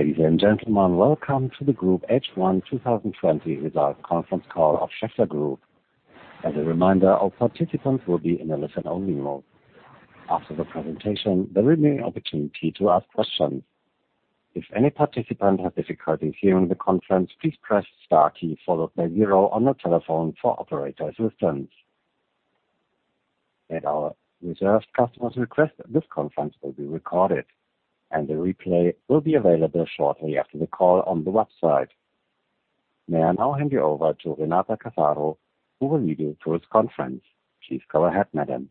Ladies and gentlemen, welcome to the Group H1 2020 Results Conference Call of Schaeffler Group. As a reminder, all participants will be in a listen-only mode. After the presentation, there will be an opportunity to ask questions. If any participant has difficulty hearing the conference, please press star key followed by zero on your telephone for operator assistance. At our reserved customers' request, this conference will be recorded, and the replay will be available shortly after the call on the website. May I now hand you over to Renata Casaro, who will lead you through this conference. Please go ahead, madam.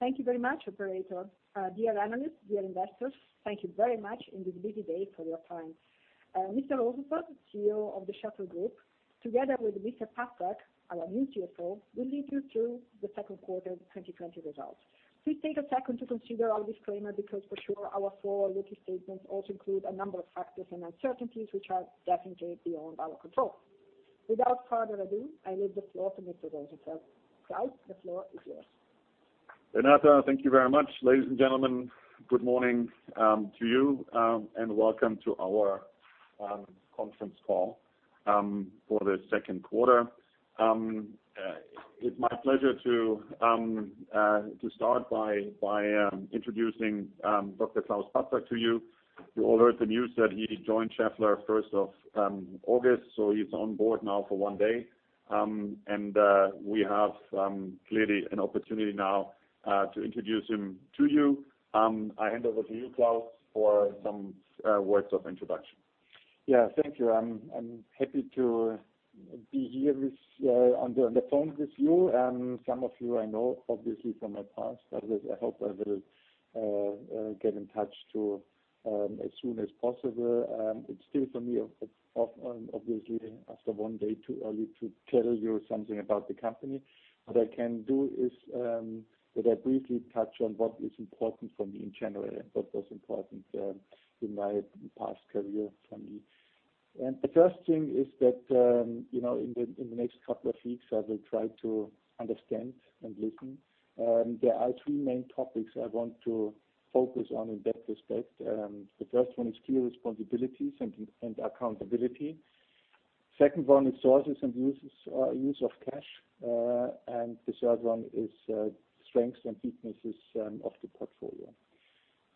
Thank you very much, operator. Dear analysts, dear investors, thank you very much in this busy day for your time. Mr. Rosenfeld, CEO of the Schaeffler Group, together with Mr. Patzak, our new CFO, will lead you through the second quarter 2020 results. Please take a second to consider our disclaimer, because for sure our forward-looking statements also include a number of factors and uncertainties which are definitely beyond our control. Without further ado, I leave the floor to Mr. Rosenfeld. Klaus, the floor is yours. Renata, thank you very much. Ladies and gentlemen, good morning to you, welcome to our conference call for the second quarter. It's my pleasure to start by introducing Dr. Klaus Patzak to you. You all heard the news that he joined Schaeffler 1st of August, he's on board now for one day. We have clearly an opportunity now to introduce him to you. I hand over to you, Klaus, for some words of introduction. Yeah, thank you. I'm happy to be here on the phone with you. Some of you I know, obviously, from my past, others I hope I will get in touch too as soon as possible. It's still for me, obviously, after one day too early to tell you something about the company. What I can do is that I briefly touch on what is important for me in general and what was important in my past career for me. The first thing is that in the next couple of weeks, I will try to understand and listen. There are three main topics I want to focus on in that respect. The first one is clear responsibilities and accountability. Second one is sources and use of cash. The third one is strengths and weaknesses of the portfolio.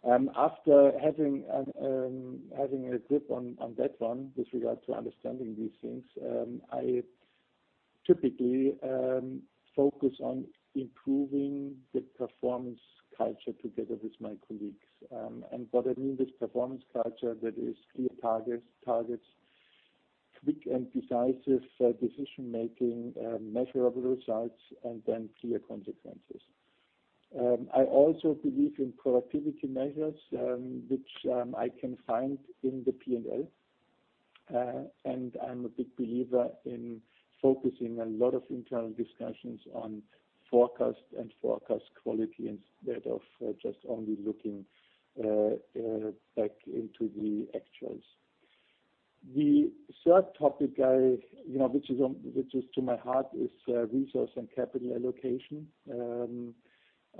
After having a grip on that one with regard to understanding these things, I typically focus on improving the performance culture together with my colleagues. What I mean is performance culture that is clear targets, quick and decisive decision-making, measurable results, and then clear consequences. I also believe in productivity measures, which I can find in the P&L. I'm a big believer in focusing a lot of internal discussions on forecast and forecast quality instead of just only looking back into the actuals. The third topic, which is to my heart, is resource and capital allocation.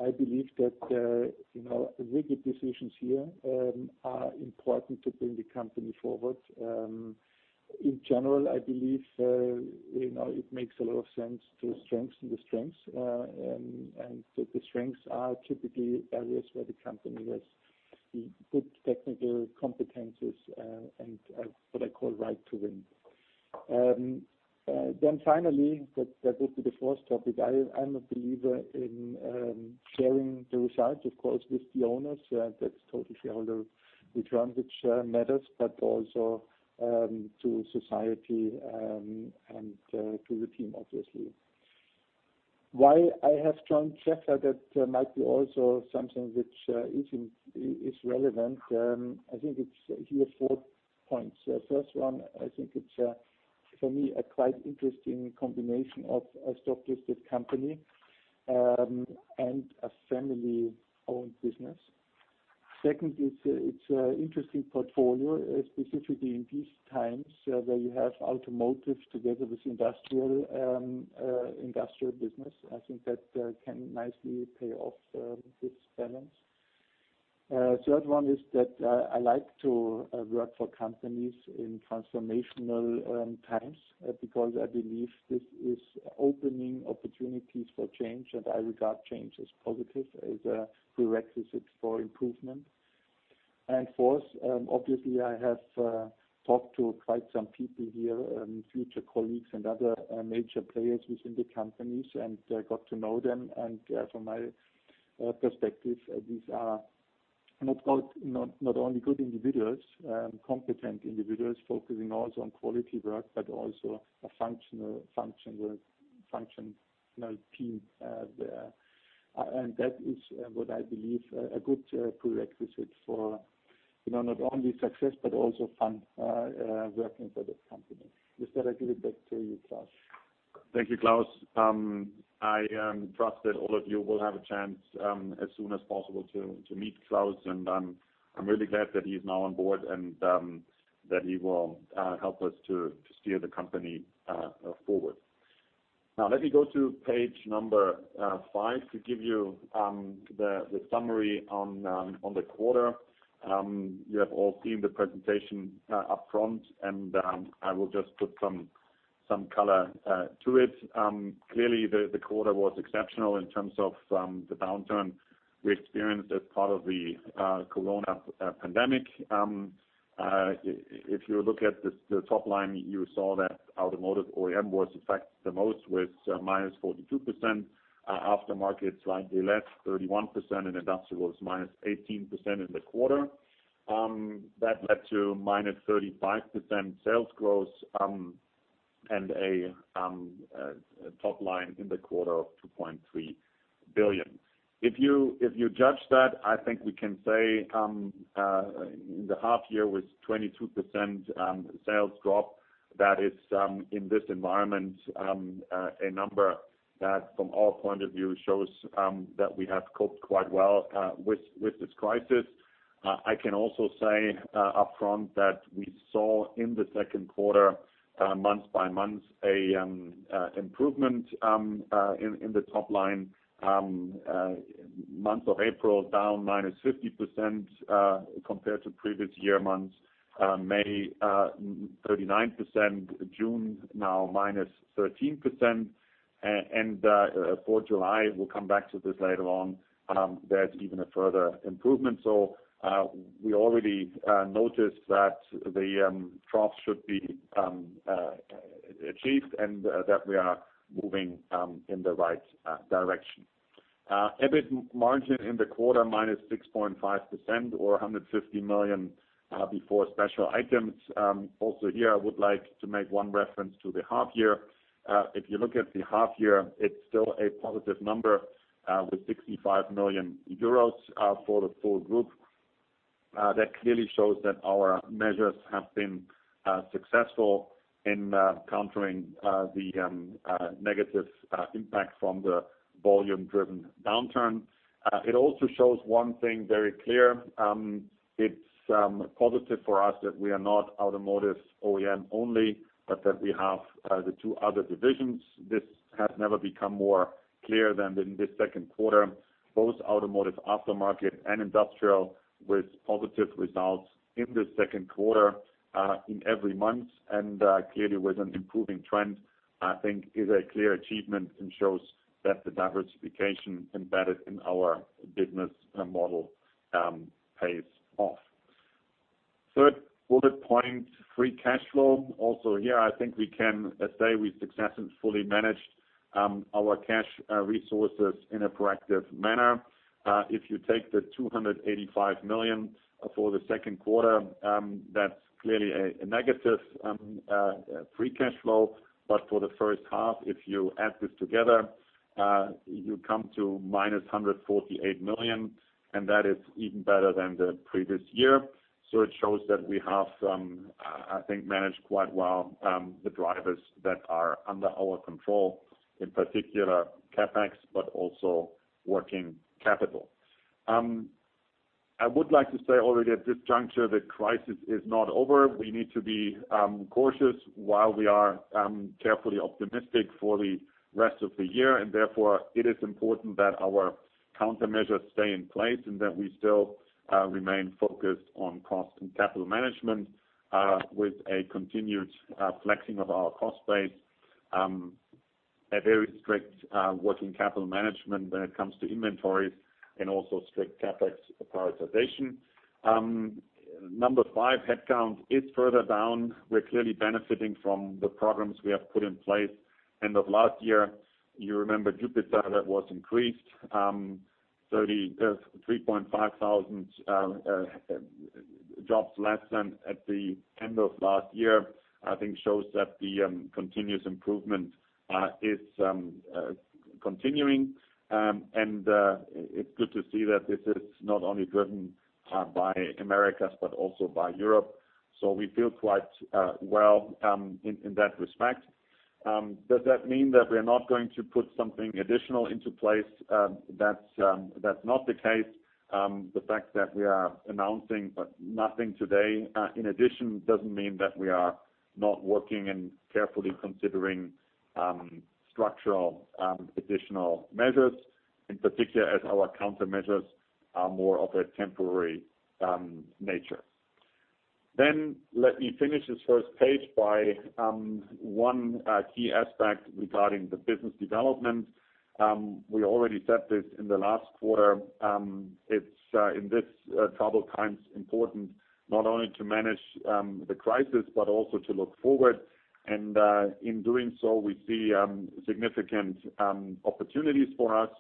I believe that rigid decisions here are important to bring the company forward. In general, I believe it makes a lot of sense to strengthen the strengths, and the strengths are typically areas where the company has good technical competencies and what I call right to win. Finally, that would be the fourth topic. I'm a believer in sharing the results, of course, with the owners. That's total shareholder return, which matters, but also to society and to the team, obviously. Why I have joined Schaeffler, that might be also something which is relevant. I think it's four points. First one, I think it's, for me, a quite interesting combination of a stock-listed company and a family-owned business. Second, it's an interesting portfolio, specifically in these times, where you have automotive together with Industrial business. I think that can nicely pay off this balance. Third one is that I like to work for companies in transformational times because I believe this is opening opportunities for change, and I regard change as positive, as a prerequisite for improvement. Fourth, obviously, I have talked to quite some people here, and future colleagues and other major players within the companies and got to know them. From my perspective, these are not only good individuals, competent individuals focusing also on quality work, but also a functional team there. That is what I believe a good prerequisite for not only success but also fun working for this company. With that, I give it back to you, Klaus. Thank you, Klaus. I trust that all of you will have a chance as soon as possible to meet Klaus, and I'm really glad that he's now on board and that he will help us to steer the company forward. Let me go to page number five to give you the summary on the quarter. You have all seen the presentation up front, and I will just put some color to it. Clearly, the quarter was exceptional in terms of the downturn we experienced as part of the corona pandemic. If you look at the top line, you saw that Automotive OEM was affected the most with 42%, Aftermarket slightly less, 31%, and Industrial is 18% in the quarter. That led to -35% sales growth and a top line in the quarter of 2.3 billion. If you judge that, I think we can say, in the half year with 22% sales drop, that is, in this environment, a number that from our point of view, shows that we have coped quite well with this crisis. I can also say up front that we saw in the second quarter, month-by-month, improvement in the top line. Month of April, down 50% compared to previous year months. May, 39%, June, now 13%. For July, we'll come back to this later on, there's even a further improvement. We already noticed that the trough should be achieved and that we are moving in the right direction. EBIT margin in the quarter, -6.5% or 150 million before special items. Also here, I would like to make one reference to the half year. If you look at the half year, it's still a positive number, with 65 million euros for the full group. That clearly shows that our measures have been successful in countering the negative impact from the volume-driven downturn. It also shows one thing very clear. It's positive for us that we are not Automotive OEM-only, but that we have the two other divisions. This has never become more clear than in this second quarter. Both Automotive Aftermarket and Industrial with positive results in the second quarter, in every month. Clearly with an improving trend, I think is a clear achievement and shows that the diversification embedded in our business model pays off. Third bullet point, free cash flow. Also here, I think we can say we successfully managed our cash resources in a proactive manner. If you take the 285 million for the second quarter, that's clearly a negative free cash flow. For the first half, if you add this together, you come to -148 million, and that is even better than the previous year. It shows that we have, I think, managed quite well the drivers that are under our control, in particular CapEx, but also working capital. I would like to say already at this juncture, the crisis is not over. We need to be cautious while we are carefully optimistic for the rest of the year. Therefore, it is important that our countermeasures stay in place and that we still remain focused on cost and capital management, with a continued flexing of our cost base. A very strict net working capital management when it comes to inventories and also strict CapEx prioritization. Number five, headcount is further down. We're clearly benefiting from the programs we have put in place. End of last year, you remember Jupiter was increased. 3,500 jobs less than at the end of last year, I think, shows that the continuous improvement is continuing and it's good to see that this is not only driven by Americas, but also by Europe. We feel quite well in that respect. Does that mean that we're not going to put something additional into place? That's not the case. The fact that we are announcing nothing today, in addition, doesn't mean that we are not working and carefully considering structural additional measures, in particular as our countermeasures are more of a temporary nature. Let me finish this first page by one key aspect regarding the business development. We already said this in the last quarter. It's, in this troubled times, important not only to manage the crisis, but also to look forward. In doing so, we see significant opportunities for us,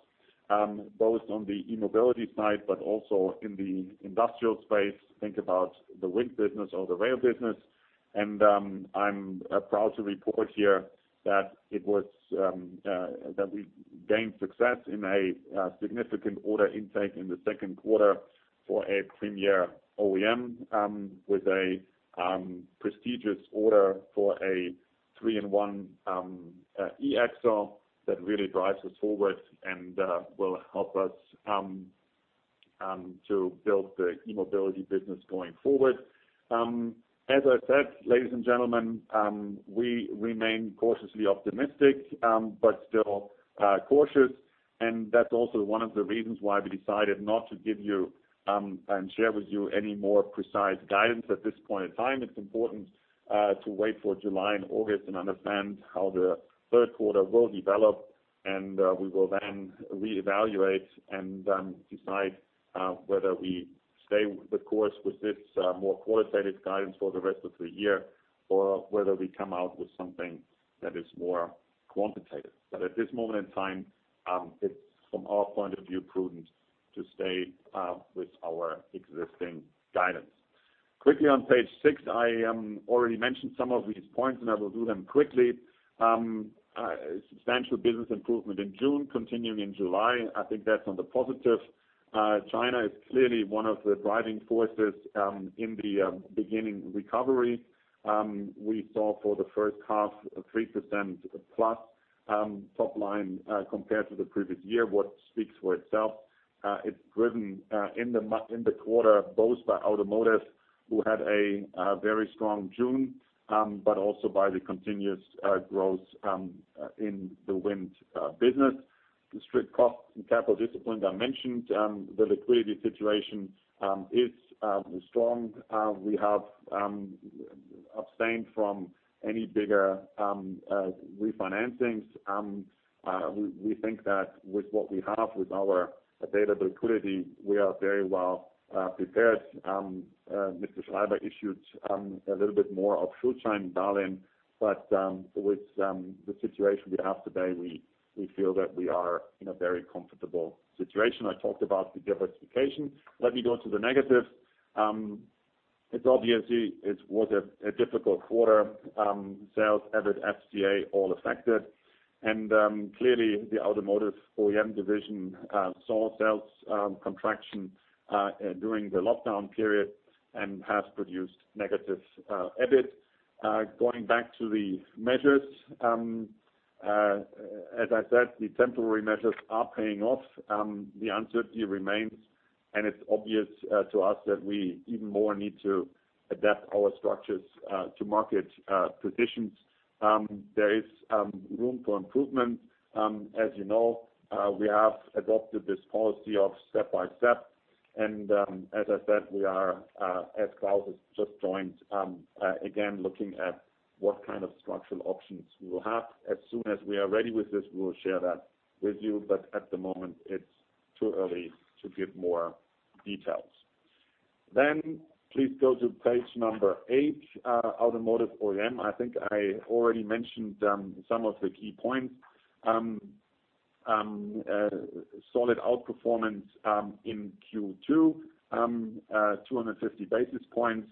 both on the E-Mobility side, but also in the Industrial space. Think about the wind business or the rail business I'm proud to report here that we gained success in a significant order intake in the second quarter for a premier OEM with a prestigious order for a 3-in-1 eAxle that really drives us forward and will help us to build the E-Mobility business going forward. As I said, ladies and gentlemen, we remain cautiously optimistic, but still cautious. That's also one of the reasons why we decided not to give you and share with you any more precise guidance at this point in time. It's important to wait for July and August and understand how the third quarter will develop. We will then reevaluate and then decide whether we stay the course with this more qualitative guidance for the rest of the year, or whether we come out with something that is more quantitative. At this moment in time, it is from our point of view, prudent to stay with our existing guidance. Quickly on page six, I already mentioned some of these points and I will do them quickly. Substantial business improvement in June continuing in July. I think that is on the positive. China is clearly one of the driving forces in the beginning recovery. We saw for the first half a 3%+ top line compared to the previous year, what speaks for itself. It is driven in the quarter, both by Automotive who had a very strong June, but also by the continuous growth in the wind business. The strict cost and capital discipline I mentioned, the liquidity situation is strong. We have abstained from any bigger refinancings. We think that with what we have with our available liquidity, we are very well-prepared. Mr. Schaeffler issued a little bit more of Schuldschein. With the situation we have today, we feel that we are in a very comfortable situation. I talked about the diversification. Let me go to the negatives. It's obvious it was a difficult quarter. Sales, EBIT, FCF all affected. Clearly the Automotive OEM division saw sales contraction during the lockdown period and has produced negative EBIT. Going back to the measures. As I said, the temporary measures are paying off. The uncertainty remains. It's obvious to us that we even more need to adapt our structures to market conditions. There is room for improvement. As you know, we have adopted this policy of step by step. As I said, we are, as Klaus has just joined again looking at what kind of structural options we will have. As soon as we are ready with this, we will share that with you. At the moment it's too early to give more details. Please go to page number eight, Automotive OEM. I think I already mentioned some of the key points. Solid outperformance in Q2, 250 basis points.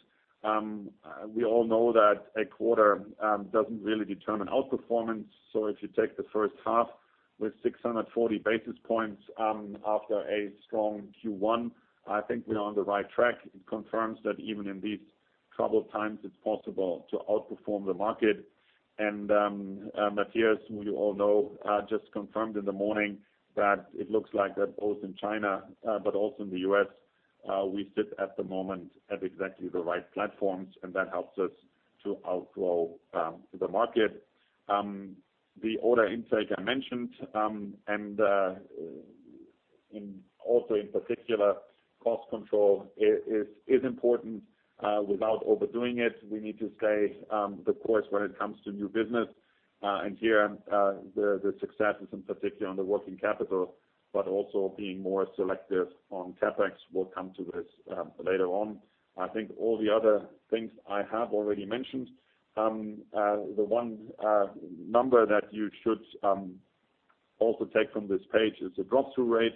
We all know that a quarter doesn't really determine outperformance. If you take the first half with 640 basis points after a strong Q1, I think we are on the right track. It confirms that even in these troubled times, it's possible to outperform the market. Matthias, who you all know, just confirmed in the morning that it looks like that both in China, but also in the U.S., we sit at the moment at exactly the right platforms, and that helps us to outgrow the market. The order intake I mentioned, also in particular cost control is important, without overdoing it. We need to stay the course when it comes to new business. Here the successes in particular on the working capital, but also being more selective on CapEx. We'll come to this later on. I think all the other things I have already mentioned. The one number that you should also take from this page is the drop-through rate.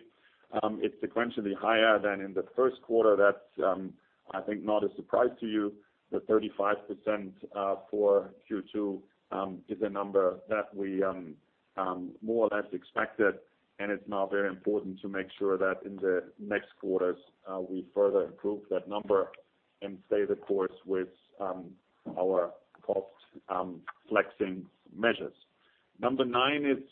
It's sequentially higher than in the first quarter. That's, I think, not a surprise to you. The 35% for Q2 is a number that we more or less expected, and it is now very important to make sure that in the next quarters, we further improve that number and stay the course with our cost flexing measures. Number nine is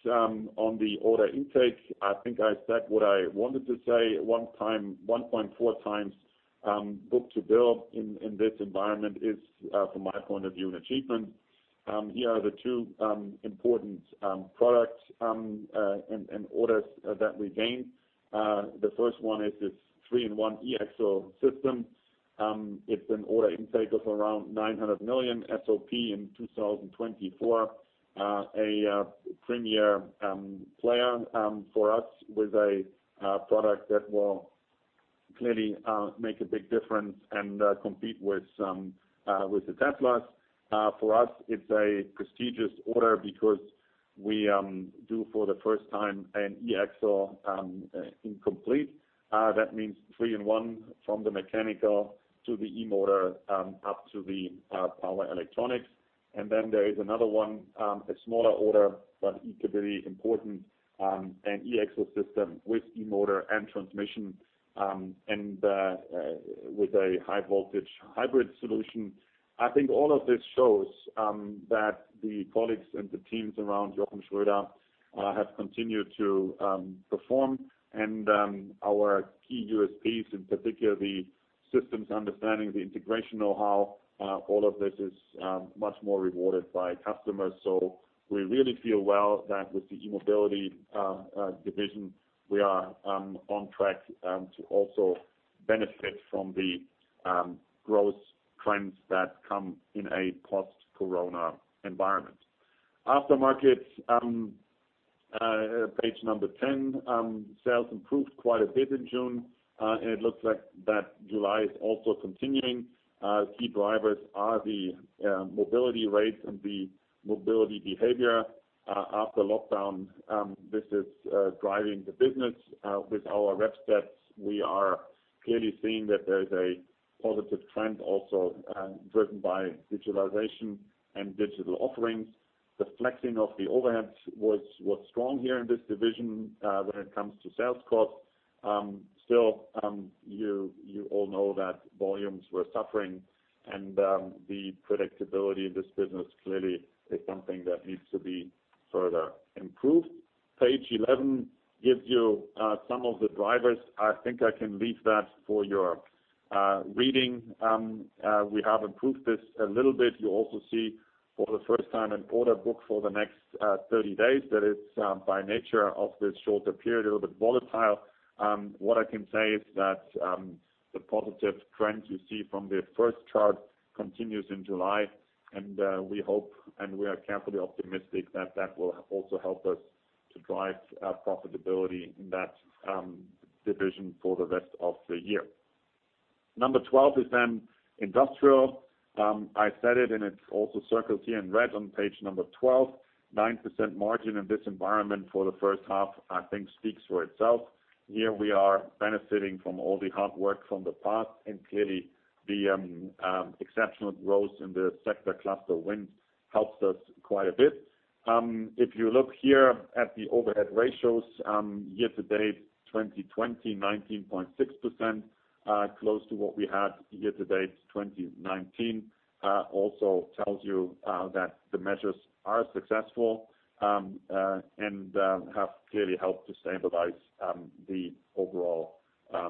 on the order intake. I think I said what I wanted to say. 1.4x book-to-bill in this environment is, from my point of view, an achievement. Here are the two important products and orders that we gained. The first one is this 3-in-1 eAxle system. It is an order intake of around 900 million SOP in 2024. A premier player for us with a product that will clearly make a big difference and compete with the Teslas. For us, it is a prestigious order because we do for the first time an eAxle in complete. That means 3-in-1 from the mechanical to the e-motor, up to the power electronics. Then there is another one, a smaller order, but equally important, an eAxle system with e-motor and transmission, and with a high-voltage hybrid solution. I think all of this shows that the colleagues and the teams around Jochen Schröder have continued to perform and our key USPs, in particular, the systems understanding the integration know-how, all of this is much more rewarded by customers. We really feel well that with the E-Mobility division, we are on track to also benefit from the growth trends that come in a post-corona environment. Aftermarket, page number 10. Sales improved quite a bit in June, and it looks like that July is also continuing. Key drivers are the mobility rates and the mobility behavior after lockdown. This is driving the business. With our REPXPERT, we are clearly seeing that there is a positive trend also driven by digitalization and digital offerings. The flexing of the overheads was strong here in this division when it comes to sales costs, so you all know that volumes were suffering and the predictability of this business clearly is something that needs to be further improved. Page 11 gives you some of the drivers. I think I can leave that for your reading. We have improved this a little bit. You also see for the first time an order book for the next 30 days that is, by nature of this shorter period, a little bit volatile. What I can say is that the positive trend you see from the first chart continues in July, and we hope, and we are carefully optimistic that will also help us to drive profitability in that division for the rest of the year. Number 12 is Industrial. I said it's also circled here in red on page number 12, 9% margin in this environment for the first half, I think, speaks for itself. Here we are benefiting from all the hard work from the past, and clearly, the exceptional growth in the sector cluster wind helps us quite a bit. If you look here at the overhead ratios year-to-date 2020, 19.6%, close to what we had year-to-date 2019, also tells you that the measures are successful and have clearly helped to stabilize the overall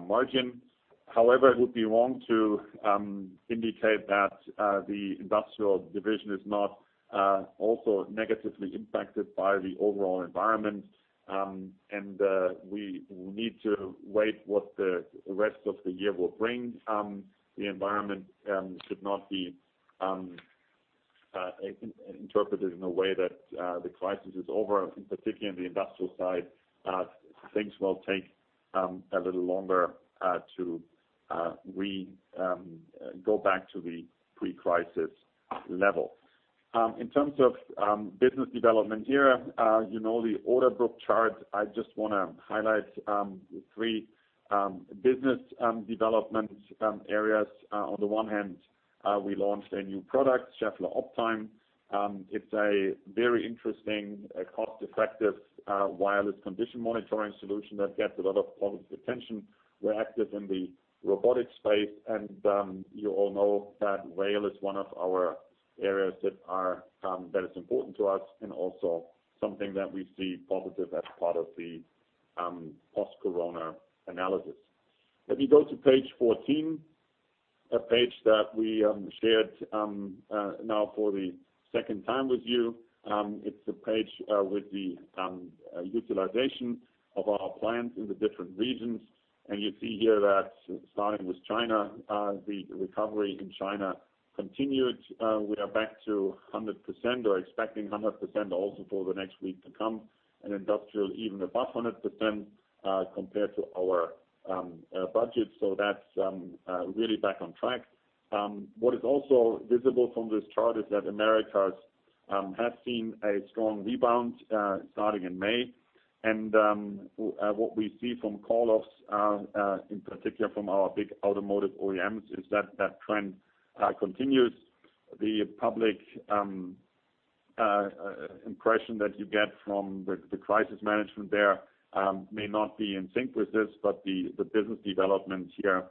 margin. However, it would be wrong to indicate that the Industrial division is not also negatively impacted by the overall environment and we need to wait what the rest of the year will bring. The environment should not be interpreted in a way that the crisis is over, and particularly in the Industrial side, things will take a little longer to go back to the pre-crisis level. In terms of business development here, you know the order book chart. I just want to highlight three business development areas. On the one hand, we launched a new product, Schaeffler OPTIME. It's a very interesting, cost-effective, wireless condition monitoring solution that gets a lot of positive attention. We're active in the robotic space. You all know that rail is one of our areas that is important to us and also something that we see positive as part of the post-corona analysis. Let me go to page 14, a page that we shared now for the second time with you. It's a page with the utilization of our plants in the different regions. You see here that starting with China, the recovery in China continued. We are back to 100% or expecting 100% also for the next week to come, and Industrial even above 100% compared to our budget, so that's really back on track. What is also visible from this chart is that Americas has seen a strong rebound starting in May and what we see from call-offs, in particular from our big automotive OEMs, is that trend continues. The public impression that you get from the crisis management there may not be in sync with this, but the business development here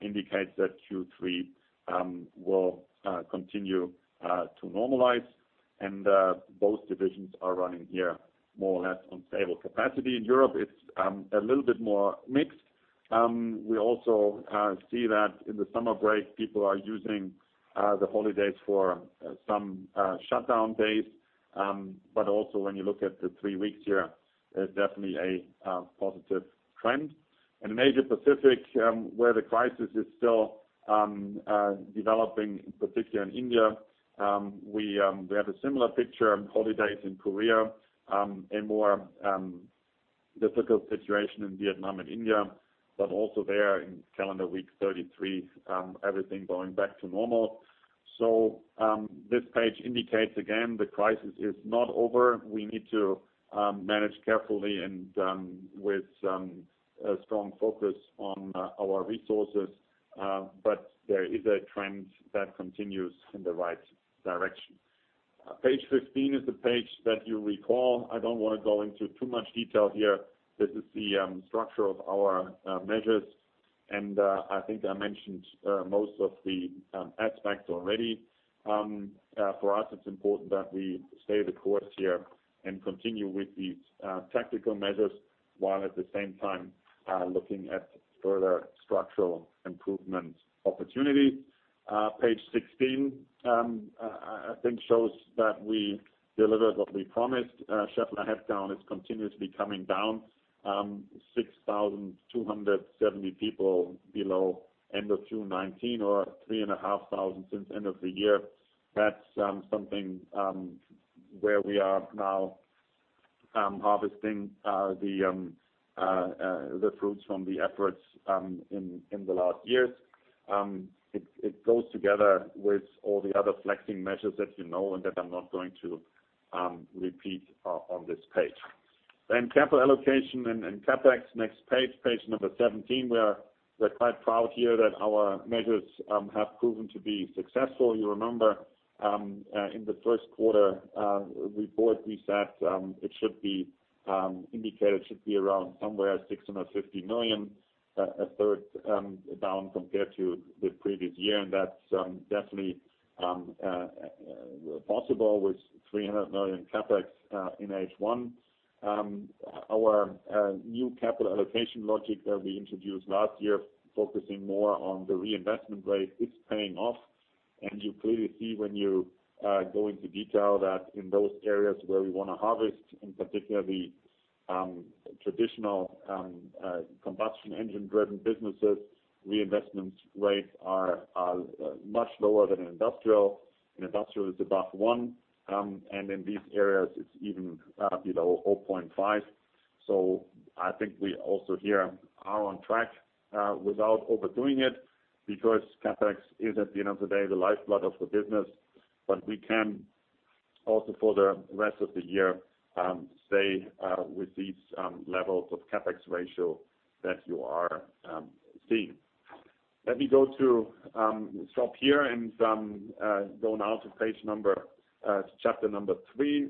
indicates that Q3 will continue to normalize and both divisions are running here more or less on stable capacity. In Europe, it's a little bit more mixed. We also see that in the summer break, people are using the holidays for some shutdown days. Also when you look at the three weeks here, there's definitely a positive trend. In Asia Pacific, where the crisis is still developing, particularly in India, we have a similar picture on holidays in Korea, a more difficult situation in Vietnam and India, but also there in calendar week 33, everything going back to normal. This page indicates, again, the crisis is not over. We need to manage carefully and with a strong focus on our resources but there is a trend that continues in the right direction. Page 15 is the page that you recall. I don't want to go into too much detail here. This is the structure of our measures, and I think I mentioned most of the aspects already. For us, it's important that we stay the course here and continue with these tactical measures, while at the same time, looking at further structural improvement opportunities. Page 16, I think shows that we delivered what we promised. Schaeffler headcount is continuously coming down 6,270 people below end of June 2019 or 3,500 since end of the year. That's something where we are now harvesting the fruits from the efforts in the last years. It goes together with all the other flexing measures that you know, that I'm not going to repeat on this page. Capital allocation and CapEx, next page, page number 17. We are quite proud here that our measures have proven to be successful. You remember, in the first quarter report we said it should be indicated around somewhere 650 million, a 1/3 down compared to the previous year, that's definitely possible with 300 million CapEx in H1. Our new capital allocation logic that we introduced last year focusing more on the reinvestment rate is paying off and you clearly see when you go into detail that in those areas where we want to harvest, in particular the traditional combustion engine-driven businesses, reinvestment rates are much lower than in Industrial. In Industrial it's above one, in these areas it's even below 0.5, so I think we also here are on track, without overdoing it because CapEx is at the end of the day, the lifeblood of the business but we can also for the rest of the year, stay with these levels of CapEx ratio that you are seeing. Let me stop here and go now to Chapter number 3.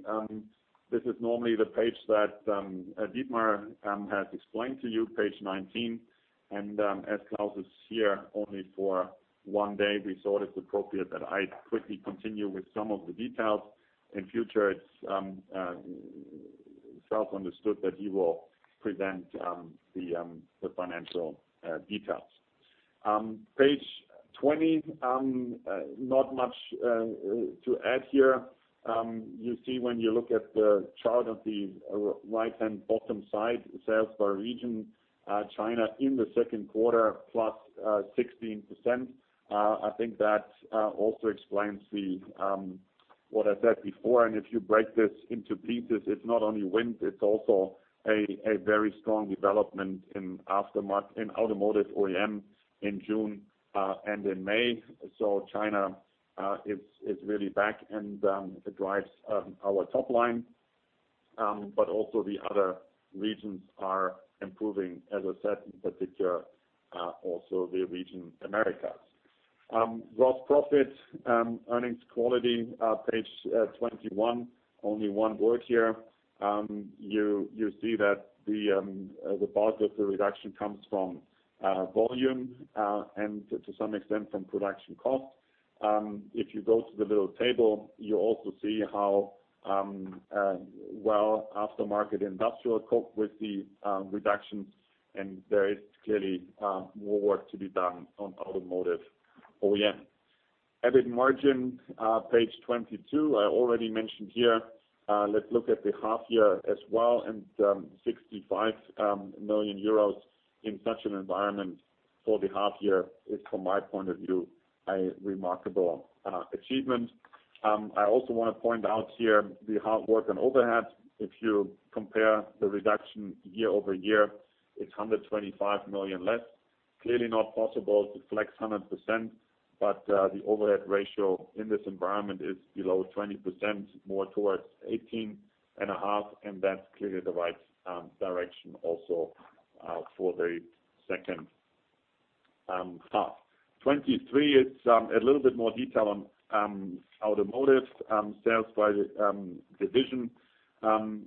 This is normally the page that Dietmar has explained to you, page 19. As Klaus is here only for one day, we thought it appropriate that I quickly continue with some of the details. In future, it's self-understood that he will present the financial details. Page 20, not much to add here. You see when you look at the chart on the right-hand bottom side, sales by region, China in the second quarter, +16%. I think that also explains what I said before. If you break this into pieces, it's not only wind, it's also a very strong development in Automotive OEM in June, and in May. China is really back and it drives our top line. Also the other regions are improving, as I said, in particular, also the region Americas. Gross profit, earnings quality, page 21. Only one word here. You see that the bulk of the reduction comes from volume, and to some extent from production cost. If you go to the little table, you also see how well Automotive Aftermarket Industrial cope with the reductions and there is clearly more work to be done on Automotive OEM. EBIT margin, page 22. I already mentioned here, let's look at the half year as well and, 65 million euros in such an environment for the half year is, from my point of view, a remarkable achievement. I also want to point out here the hard work on overheads. If you compare the reduction year-over-year, it's 125 million less. Clearly not possible to flex 100%, but the overhead ratio in this environment is below 20%, more towards 18.5%, and that's clearly the right direction also for the second half. 2023, it's a little bit more detail on automotive sales by division.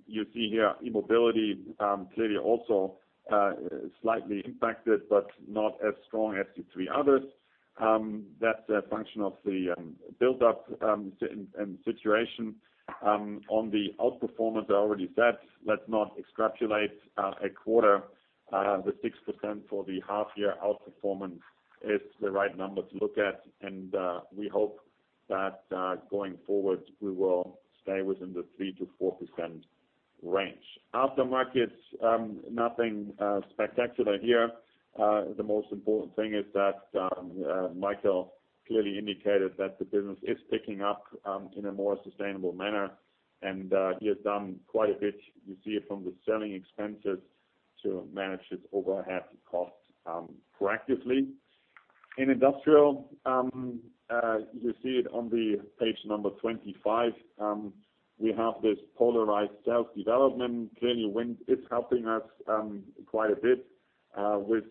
You see here, E-Mobility, clearly also slightly impacted, but not as strong as the three others. That's a function of the buildup and situation. On the outperformance I already said, let's not extrapolate, a quarter, the 6% for the half year outperformance is the right number to look at and, we hope that, going forward, we will stay within the 3%-4% range. Aftermarket, nothing spectacular here. The most important thing is that Michael clearly indicated that the business is picking up in a more sustainable manner and he has done quite a bit. You see it from the selling expenses to manage its overhead cost proactively. In Industrial, you see it on the page number 25. We have this polarized sales development. Clearly, wind is helping us quite a bit with,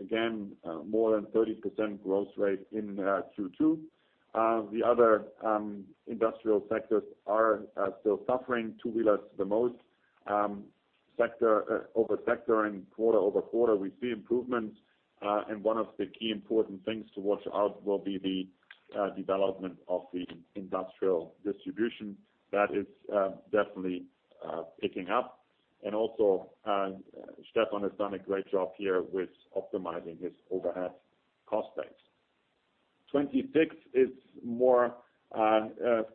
again, more than 30% growth rate in Q2. The other Industrial sectors are still suffering, two-wheelers the most. Sector over sector and quarter-over-quarter, we see improvements. One of the key important things to watch out will be the development of the Industrial distribution that is definitely picking up. Also, Stefan has done a great job here with optimizing his overhead cost base. 26 is more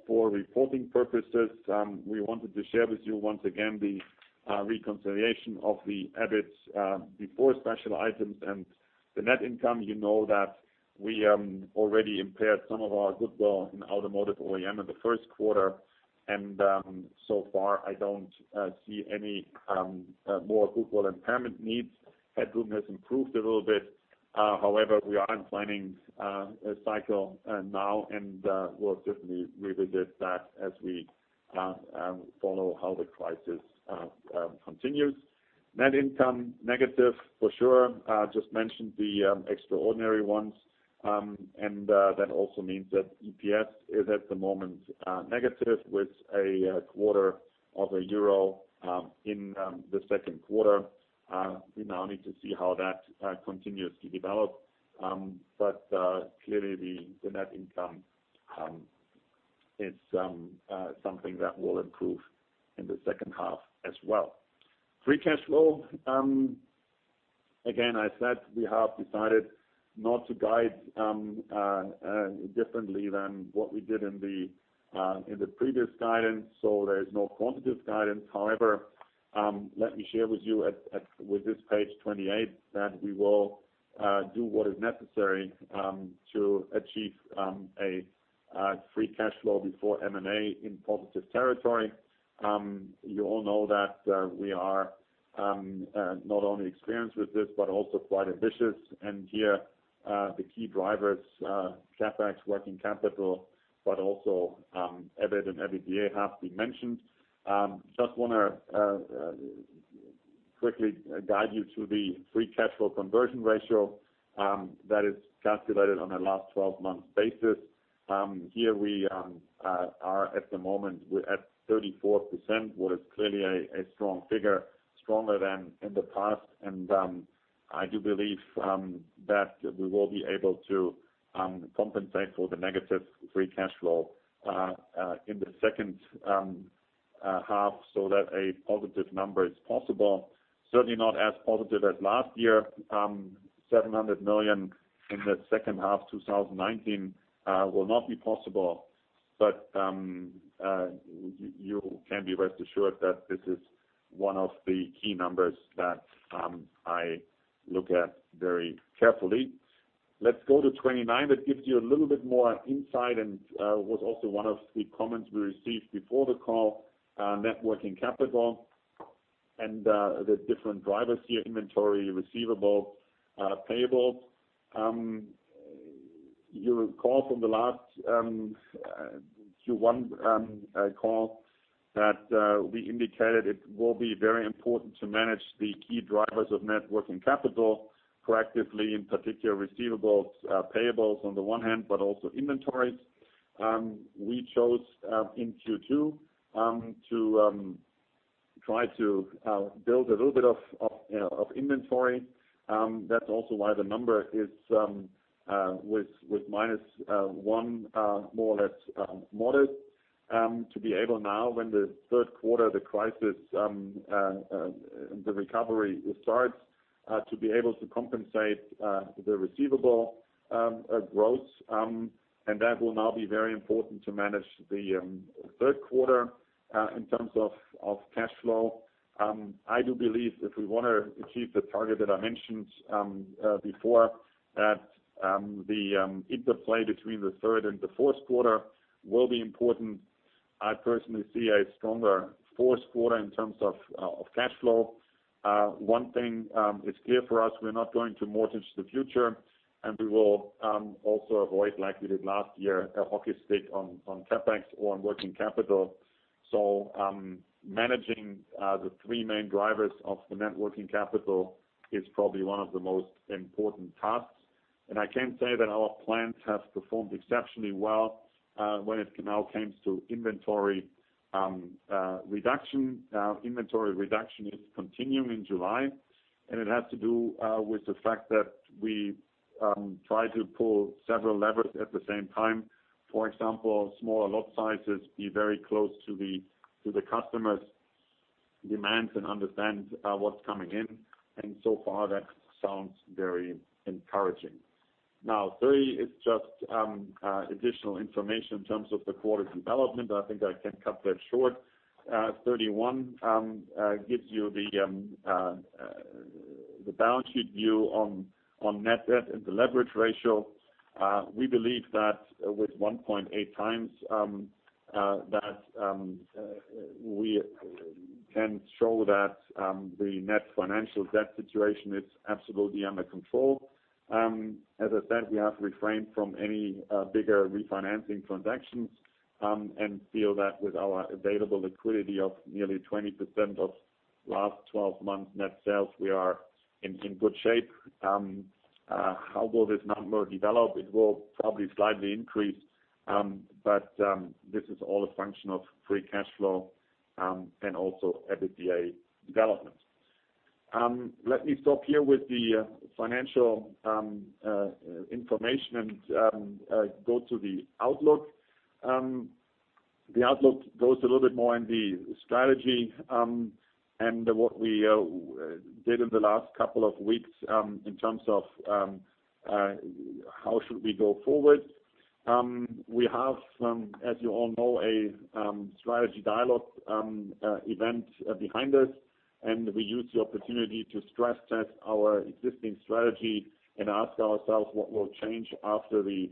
for reporting purposes. We wanted to share with you once again the reconciliation of the EBIT before special items and the net income. You know that we already impaired some of our goodwill in Automotive OEM in the first quarter, and so far I don't see any more goodwill impairment needs. Headroom has improved a little bit, however, we are in planning cycle now, and we'll certainly revisit that as we follow how the crisis continues. Net income, negative for sure. Just mentioned the extraordinary ones and that also means that EPS is at the moment negative with a EUR 0.25 In the second quarter. We now need to see how that continues to develop. Clearly the net income is something that will improve in the second half as well. Free cash flow. Again, I said we have decided not to guide differently than what we did in the previous guidance, so there is no quantitative guidance. However, let me share with you with this page 28, that we will do what is necessary to achieve a free cash flow before M&A in positive territory. You all know that we are not only experienced with this but also quite ambitious. Here, the key drivers, CapEx, working capital, but also EBIT and EBITDA, have been mentioned. Just want to quickly guide you to the free cash flow conversion ratio that is calculated on a last 12-month basis. Here we are at the moment, we're at 34%, what is clearly a strong figure, stronger than in the past. I do believe that we will be able to compensate for the negative free cash flow in the second half so that a positive number is possible. Certainly not as positive as last year. 700 million in the second half 2019 will not be possible but you can be rest assured that this is one of the key numbers that I look at very carefully. Let's go to 29. That gives you a little bit more insight and was also one of the comments we received before the call. Net working capital and the different drivers here, inventory, receivables, payables. You will recall from the last Q1 call that we indicated it will be very important to manage the key drivers of net working capital proactively, in particular receivables, payables on the one hand, but also inventories. We chose in Q2 to try to build a little bit of inventory. That's also why the number is with -1, more or less modest, to be able now when the third quarter, the crisis, the recovery starts, to be able to compensate the receivable growth and that will now be very important to manage the third quarter in terms of cash flow. I do believe if we want to achieve the target that I mentioned before, that the interplay between the third and the fourth quarter will be important. I personally see a stronger fourth quarter in terms of cash flow. One thing is clear for us, we're not going to mortgage the future and we will also avoid, like we did last year, a hockey stick on CapEx or on working capital. Managing the three main drivers of the net working capital is probably one of the most important tasks. I can say that our plants have performed exceptionally well when it now comes to inventory reduction. Inventory reduction is continuing in July, and it has to do with the fact that we try to pull several levers at the same time. For example, smaller lot sizes, be very close to the customers' demands and understand what's coming in. So far, that sounds very encouraging. 30 is just additional information in terms of the quarter development, but I think I can cut that short. 31 gives you the balance sheet view on net debt and the leverage ratio. We believe that with 1.8x, that we can show that the net financial debt situation is absolutely under control. As I said, we have refrained from any bigger refinancing transactions. We feel that with our available liquidity of nearly 20% of last 12 months net sales, we are in good shape. How will this number develop? It will probably slightly increase, but this is all a function of free cash flow, and also EBITDA development. Let me stop here with the financial information and go to the outlook. The outlook goes a little bit more in the strategy, and what we did in the last couple of weeks in terms of how should we go forward. We have, as you all know, a strategy dialogue event behind us, and we used the opportunity to stress-test our existing strategy and ask ourselves what will change after the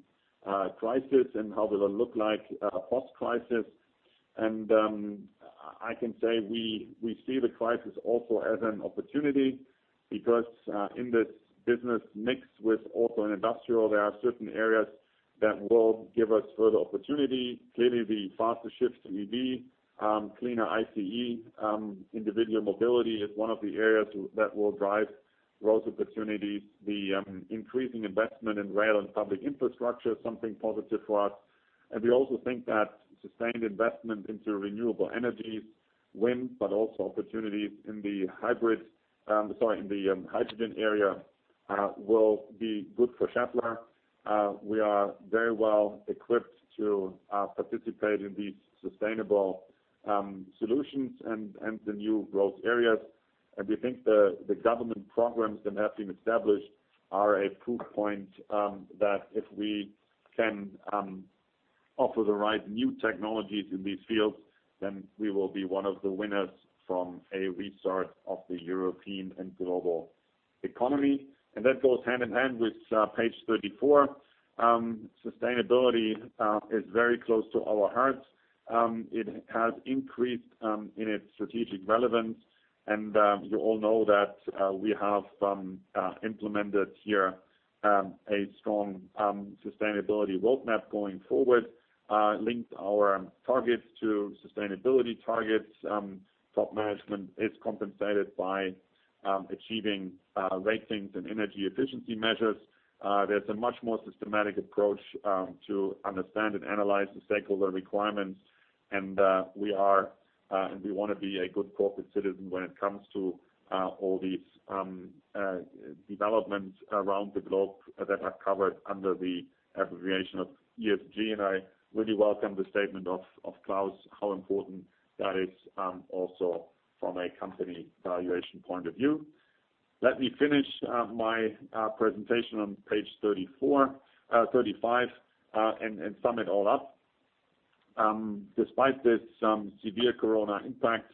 crisis, and how will it look like post-crisis. I can say we see the crisis also as an opportunity, because in this business mix with Auto and Industrial, there are certain areas that will give us further opportunity. Clearly, the faster shift to EV, cleaner ICE, individual mobility is one of the areas that will drive growth opportunities. The increasing investment in rail and public infrastructure is something positive for us. We also think that sustained investment into renewable energies, wind, but also opportunities in the hydrogen area will be good for Schaeffler. We are very well-equipped to participate in these sustainable solutions and the new growth areas. We think the government programs that have been established are a proof point that if we can offer the right new technologies in these fields, then we will be one of the winners from a restart of the European and global economy. That goes hand-in-hand with page 34. Sustainability is very close to our hearts. It has increased in its strategic relevance. You all know that we have implemented here a strong sustainability roadmap going forward, linked our targets to sustainability targets. Top management is compensated by achieving ratings and energy efficiency measures. There's a much more systematic approach to understand and analyze the stakeholder requirements. We want to be a good corporate citizen when it comes to all these developments around the globe that are covered under the abbreviation of ESG. I really welcome the statement of Klaus, how important that is, also from a company valuation point of view. Let me finish my presentation on page 35 and sum it all up. Despite this severe COVID impact,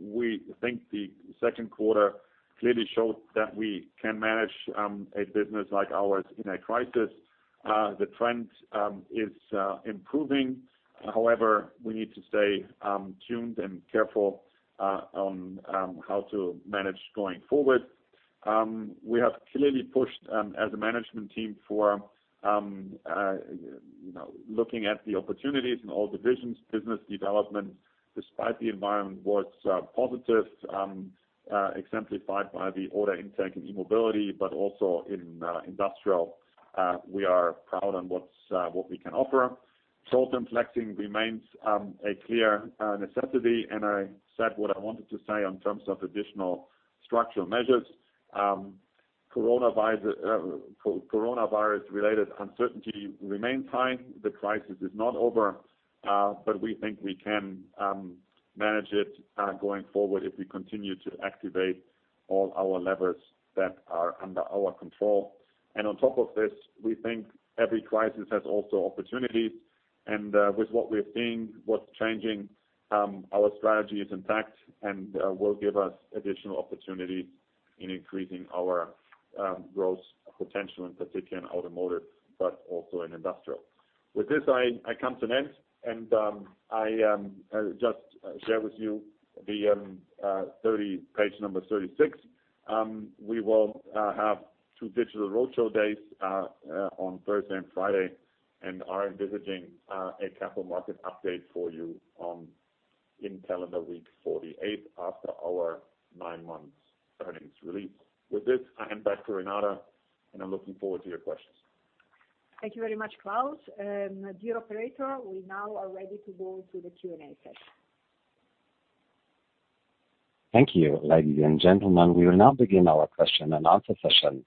we think the second quarter clearly showed that we can manage a business like ours in a crisis. The trend is improving, however, we need to stay tuned and careful on how to manage going forward. We have clearly pushed as a management team for looking at the opportunities in all divisions. Business development, despite the environment, was positive, exemplified by the order intake in E-Mobility, but also in Industrial. We are proud on what we can offer. However, salt and flexing remains a clear necessity. I said what I wanted to say on terms of additional structural measures. Coronavirus-related uncertainty remains high. The crisis is not over, but we think we can manage it going forward if we continue to activate all our levers that are under our control. On top of this, we think every crisis has also opportunities. With what we're seeing, what's changing, our strategy is intact and will give us additional opportunity in increasing our growth potential, in particular in Automotive, but also in Industrial. With this, I come to an end. I just share with you page number 36. We will have two digital roadshow days on Thursday and Friday and are envisaging a capital market update for you in calendar week 48 after our nine-month earnings release. With this, I hand back to Renata, and I'm looking forward to your questions. Thank you very much, Klaus. Dear operator, we now are ready to go to the Q&A session. Thank you. Ladies and gentlemen, we will now begin our question-and-answer session.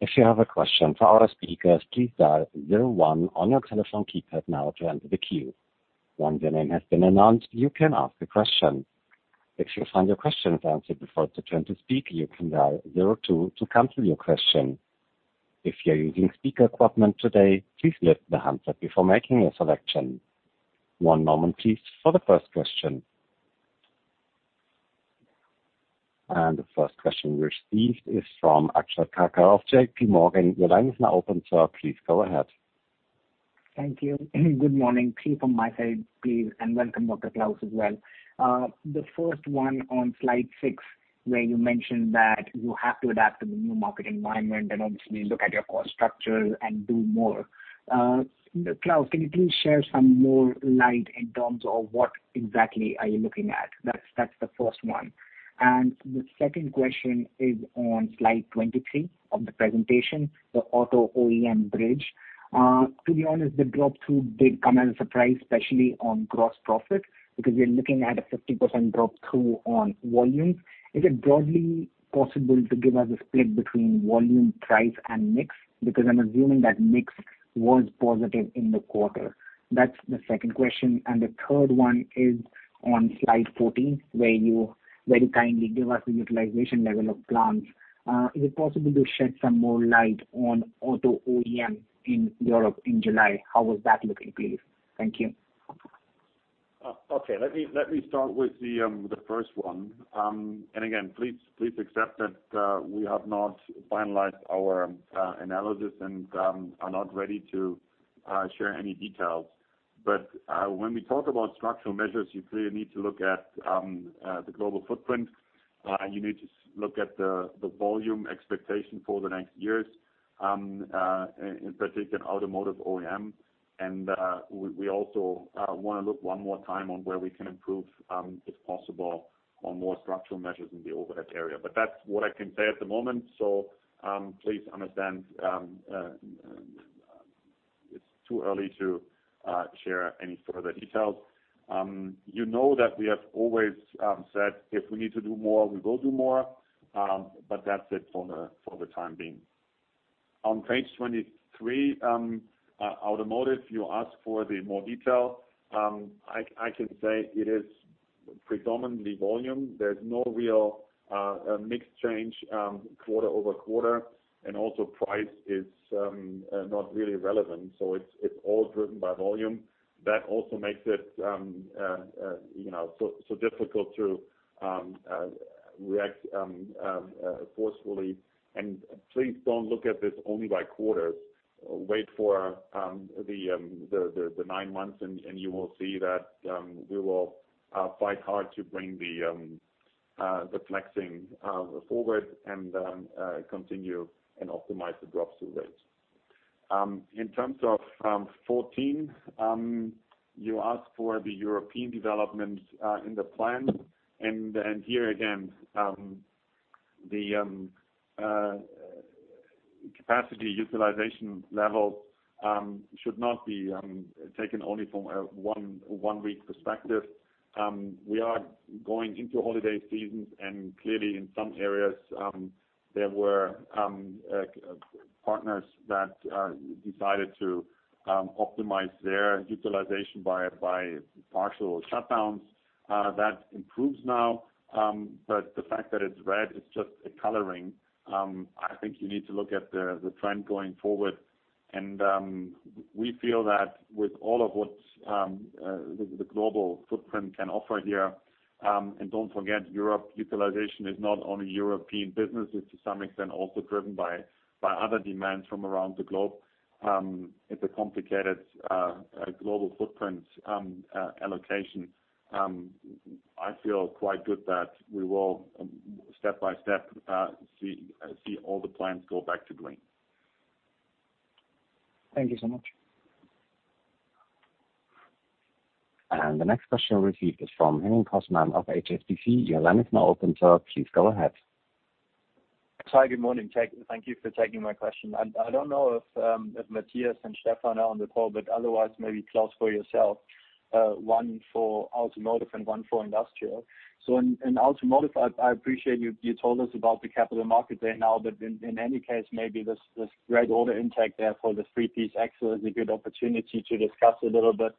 If you have a question for our speakers, please dial zero one on your telephone keypad now to enter the queue. Once your name has been announced, you can ask a question. If you find your question is answered before it's your turn to speak, you can dial zero two to cancel your question. If you're using speaker equipment today, please lift the handset before making a selection. One moment please for the first question. The first question received is from Akshat Kacker of JPMorgan. Your line is now open, sir. Please go ahead. Thank you. Good morning to you from my side, please, and welcome Dr. Klaus as well. The first one on slide six, where you mentioned that you have to adapt to the new market environment and obviously look at your cost structure and do more. Klaus, can you please share some more light in terms of what exactly are you looking at? That's the first one. The second question is on slide 23 of the presentation, the Auto OEM bridge. To be honest, the drop-through did come as a surprise, especially on gross profit, because we are looking at a 50% drop-through on volume. Is it broadly possible to give us a split between volume, price, and mix because I'm assuming that mix was positive in the quarter. That's the second question. The third one is on slide 14, where you very kindly give us the utilization level of plans. Is it possible to shed some more light on Automotive OEM in Europe in July? How was that looking, please? Thank you. Okay. Let me start with the first one. Again, please accept that we have not finalized our analysis and are not ready to share any details. When we talk about structural measures, you clearly need to look at the global footprint. You need to look at the volume expectation for the next years, in particular Automotive OEM. We also want to look one more time on where we can improve, if possible, on more structural measures in the overhead area but that's what I can say at the moment so please understand, it's too early to share any further details. You know that we have always said if we need to do more, we will do more but that's it for the time being. On page 23, Automotive, you ask for the more detail. I can say it is predominantly volume. There's no real mix change quarter-over-quarter, and also price is not really relevant. It's all driven by volume. That also makes it so difficult to react forcefully. Please don't look at this only by quarters. Wait for the nine months and you will see that we will fight hard to bring the flexing forward and then continue and optimize the drop-through rate. In terms of 14, you ask for the European development in the plan. Here again, the capacity utilization level should not be taken only from a one-week perspective. We are going into holiday seasons and clearly in some areas, there were partners that decided to optimize their utilization by partial shutdowns. That improves now, but the fact that it's red is just a coloring. I think you need to look at the trend going forward. We feel that with all of what the global footprint can offer here. Don't forget, Europe utilization is not only European business, it's to some extent also driven by other demands from around the globe. It's a complicated global footprint allocation. I feel quite good that we will, step by step, see all the plans go back to green. Thank you so much. The next question we'll receive is from Henning Cosman of HSBC. Your line is now open, sir, please go ahead. Hi, good morning. Thank you for taking my question. I don't know if Matthias and Stefan are on the call, otherwise maybe Klaus for yourself, one for Automotive and one for Industrial. In Automotive, I appreciate you told us about the capital market there now, in any case, maybe this great order intake there for the three-piece axle is a good opportunity to discuss a little bit.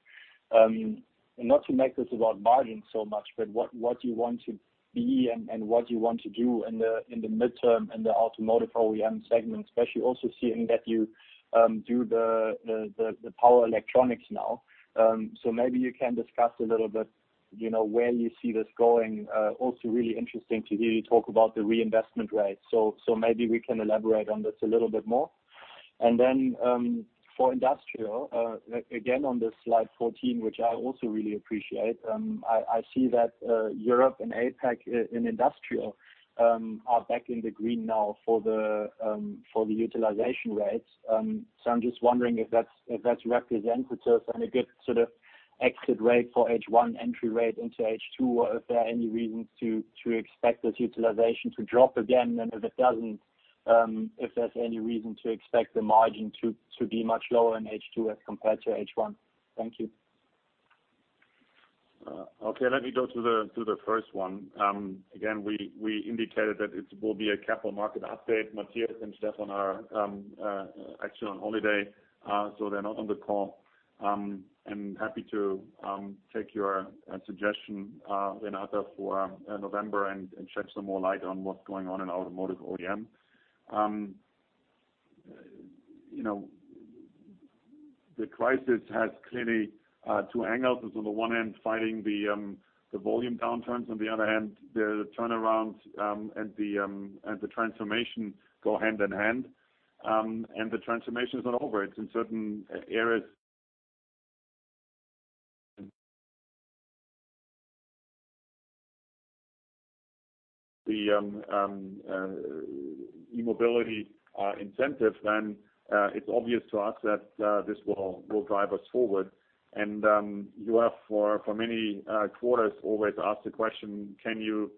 Not to make this about margin so much, what do you want to be and what do you want to do in the midterm in the Automotive OEM segment, especially also seeing that you do the power electronics now. Maybe you can discuss a little bit, where you see this going. Also really interesting to hear you talk about the reinvestment rate. Maybe we can elaborate on this a little bit more. And then for Industrial, again, on the slide 14, which I also really appreciate. I see that Europe and APAC in Industrial are back in the green now for the utilization rates. I'm just wondering if that's representative and a good sort of exit rate for H1, entry rate into H2, or if there are any reasons to expect this utilization to drop again. If it doesn't, if there's any reason to expect the margin to be much lower in H2 as compared to H1. Thank you. Okay. Let me go to the first one. We indicated that it will be a capital market update. Matthias and Stefan are actually on holiday, so they're not on the call. I'm happy to take your suggestion, Renata, for November and shed some more light on what's going on in Automotive OEM. The crisis has clearly two hangouts. It's on the one hand, fighting the volume downturns. On the other hand, the turnarounds and the transformation go hand-in-hand and the transformation is not over. It's in certain areas. The E-Mobility incentive, it's obvious to us that this will drive us forward. You have for many quarters always asked the question, can you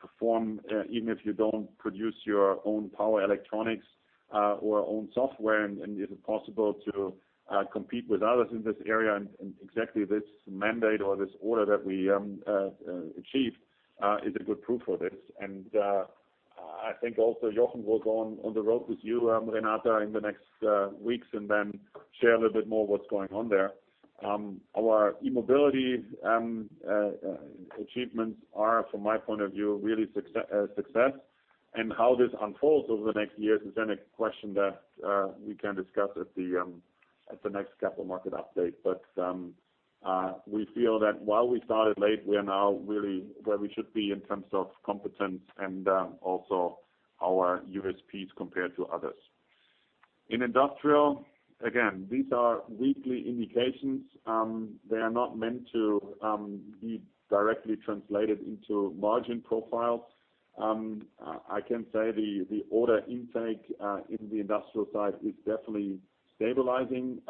perform even if you don't produce your own power electronics or own software? Is it possible to compete with others in this area? Exactly this mandate or this order that we achieved is a good proof of this. I think also Jochen will go on the road with you, Renata, in the next weeks and then share a little bit more what's going on there. Our E-Mobility achievements are, from my point of view, really a success. How this unfolds over the next years is then a question that we can discuss at the next capital market update. We feel that while we started late, we are now really where we should be in terms of competence and also our USPs compared to others. In Industrial, again, these are weekly indications. They are not meant to be directly translated into margin profiles. I can say the order intake in the Industrial side is definitely stabilizing.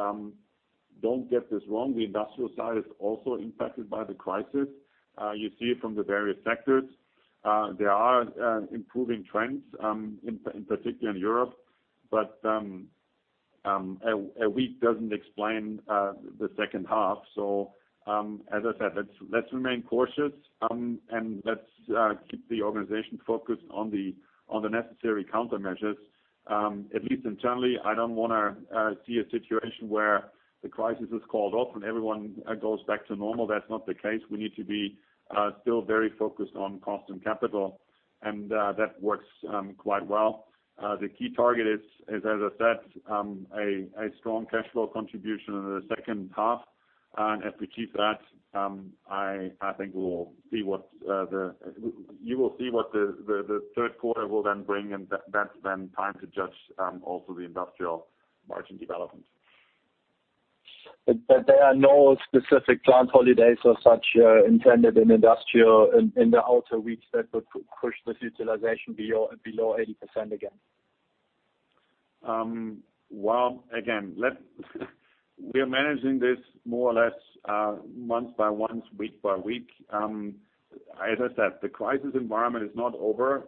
Don't get this wrong, the Industrial side is also impacted by the crisis. You see it from the various sectors. There are improving trends, in particular in Europe, but a weak doesn't explain the second half. As I said, let's remain cautious and let's keep the organization focused on the necessary countermeasures. At least internally, I don't want to see a situation where the crisis is called off and everyone goes back to normal. That's not the case. We need to be still very focused on cost and capital, and that works quite well. The key target is, as I said, a strong cash flow contribution in the second half. If we keep that, I think you will see what the third quarter will then bring, and that's then time to judge also the Industrial margin development. There are no specific plant holidays or such intended in Industrial in the outer weeks that would push this utilization below 80% again. Well, again, we are managing this more or less month by month, week by week. As I said, the crisis environment is not over.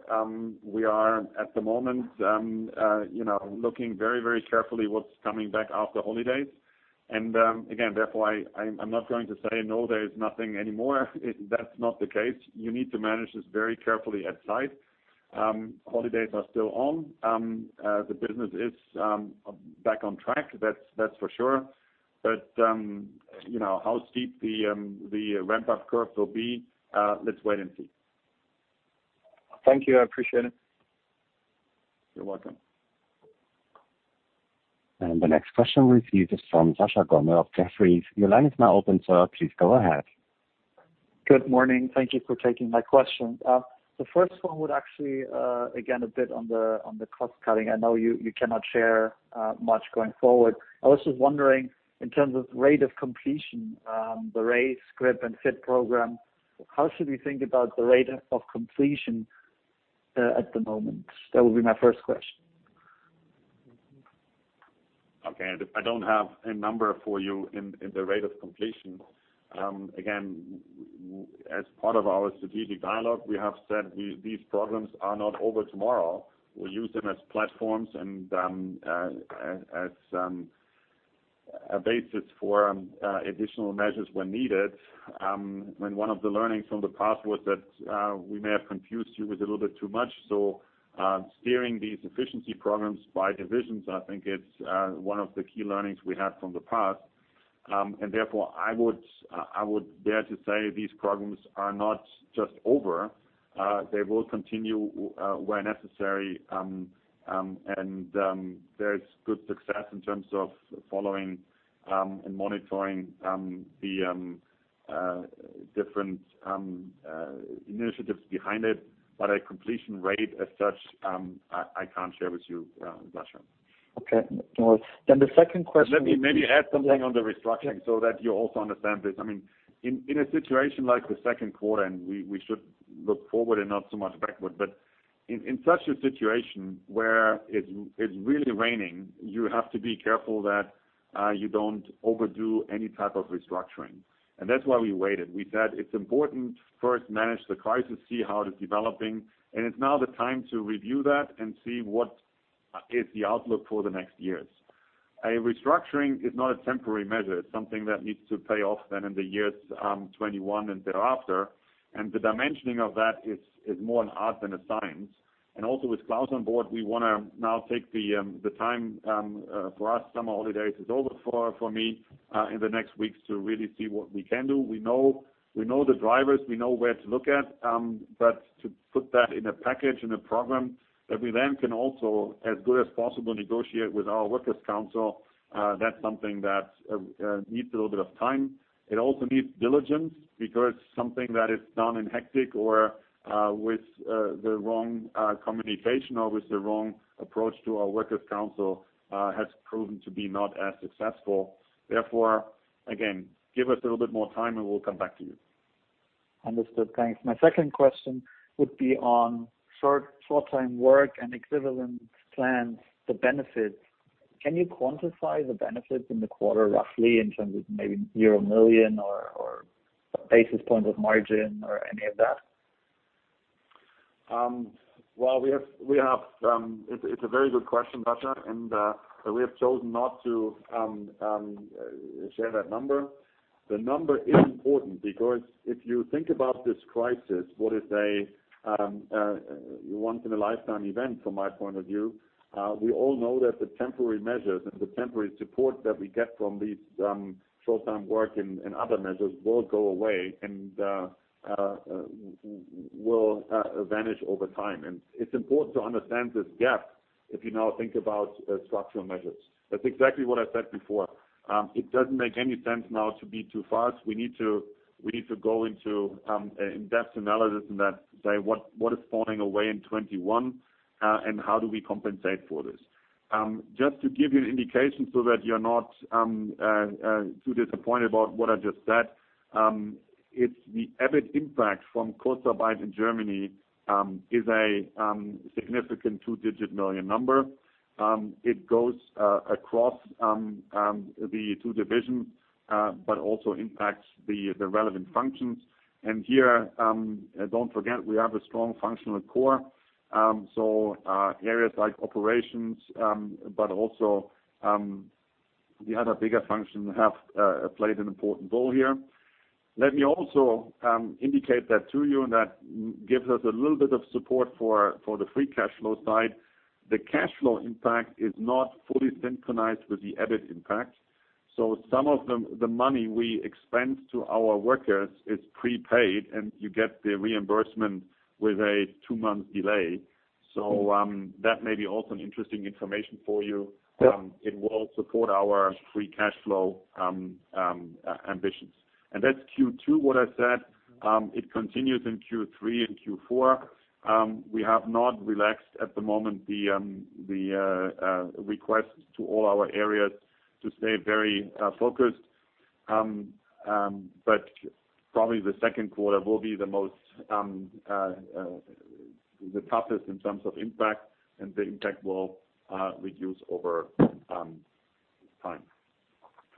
We are, at the moment, looking very carefully what's coming back after holidays. Again, therefore, I'm not going to say no, there is nothing anymore. That's not the case. You need to manage this very carefully at site. Holidays are still on. The business is back on track, that's for sure. How steep the ramp-up curve will be, let's wait and see. Thank you. I appreciate it. You're welcome. The next question we receive is from Sascha Gommel of Jefferies. Your line is now open, sir. Please go ahead. Good morning. Thank you for taking my questions. The first one would actually, again, a bit on the cost cutting. I know you cannot share much going forward. I was just wondering, in terms of rate of completion, the RACE, GRIP, and FIT program, how should we think about the rate of completion at the moment? That would be my first question. Okay. I don't have a number for you in the rate of completion. As part of our strategic dialogue, we have said these programs are not over tomorrow. We use them as platforms and as a basis for additional measures when needed. One of the learnings from the past was that we may have confused you with a little bit too much. Steering these efficiency programs by divisions, I think, is one of the key learnings we had from the past. Therefore, I would dare to say these programs are not just over. They will continue where necessary and there is good success in terms of following and monitoring the different initiatives behind it. A completion rate as such, I can't share with you, Sascha. Okay. The second question- Let me maybe add something on the restructuring so that you also understand this. In a situation like the second quarter, we should look forward and not so much backward. In such a situation where it's really raining, you have to be careful that you don't overdo any type of restructuring. That's why we waited. We said it's important first manage the crisis, see how it is developing, and it's now the time to review that and see what is the outlook for the next years. A restructuring is not a temporary measure. It's something that needs to pay off then in the years 2021 and thereafter, and the dimensioning of that is more an art than a science. Also with Klaus on board, we want to now take the time for us. Summer holidays is over for me. In the next weeks to really see what we can do. We know the drivers, we know where to look at. To put that in a package, in a program that we then can also, as good as possible, negotiate with our workers' council, that's something that needs a little bit of time. It also needs diligence because something that is done in hectic or with the wrong communication or with the wrong approach to our workers' council has proven to be not as successful. Therefore, again, give us a little bit more time and we'll come back to you. Understood. Thanks. My second question would be on short time work and equivalent plans, the benefits. Can you quantify the benefits in the quarter roughly in terms of maybe euro 1 million or basis points of margin or any of that? It's a very good question, Sascha. We have chosen not to share that number. The number is important because if you think about this crisis, what is a once in a lifetime event, from my point of view, we all know that the temporary measures and the temporary support that we get from these short time work and other measures will go away and will vanish over time. It's important to understand this gap if you now think about structural measures. That's exactly what I said before. It doesn't make any sense now to be too fast. We need to go into an in-depth analysis and then say, what is falling away in 2021, and how do we compensate for this? Just to give you an indication so that you're not too disappointed about what I just said, it's the EBIT impact from Kurzarbeit in Germany is a significant two-digit million number. It goes across the two divisions, but also impacts the relevant functions. Here, don't forget, we have a strong functional core. Areas like operations, but also the other bigger functions have played an important role here. Let me also indicate that to you, and that gives us a little bit of support for the free cash flow side. The cash flow impact is not fully synchronized with the EBIT impact. Some of the money we expend to our workers is prepaid, and you get the reimbursement with a two-month delay so that may be also an interesting information for you. Yep. It will support our free cash flow ambitions. That's Q2, what I said, it continues in Q3 and Q4. We have not relaxed at the moment the request to all our areas to stay very focused. Probably the second quarter will be the toughest in terms of impact, and the impact will reduce over time.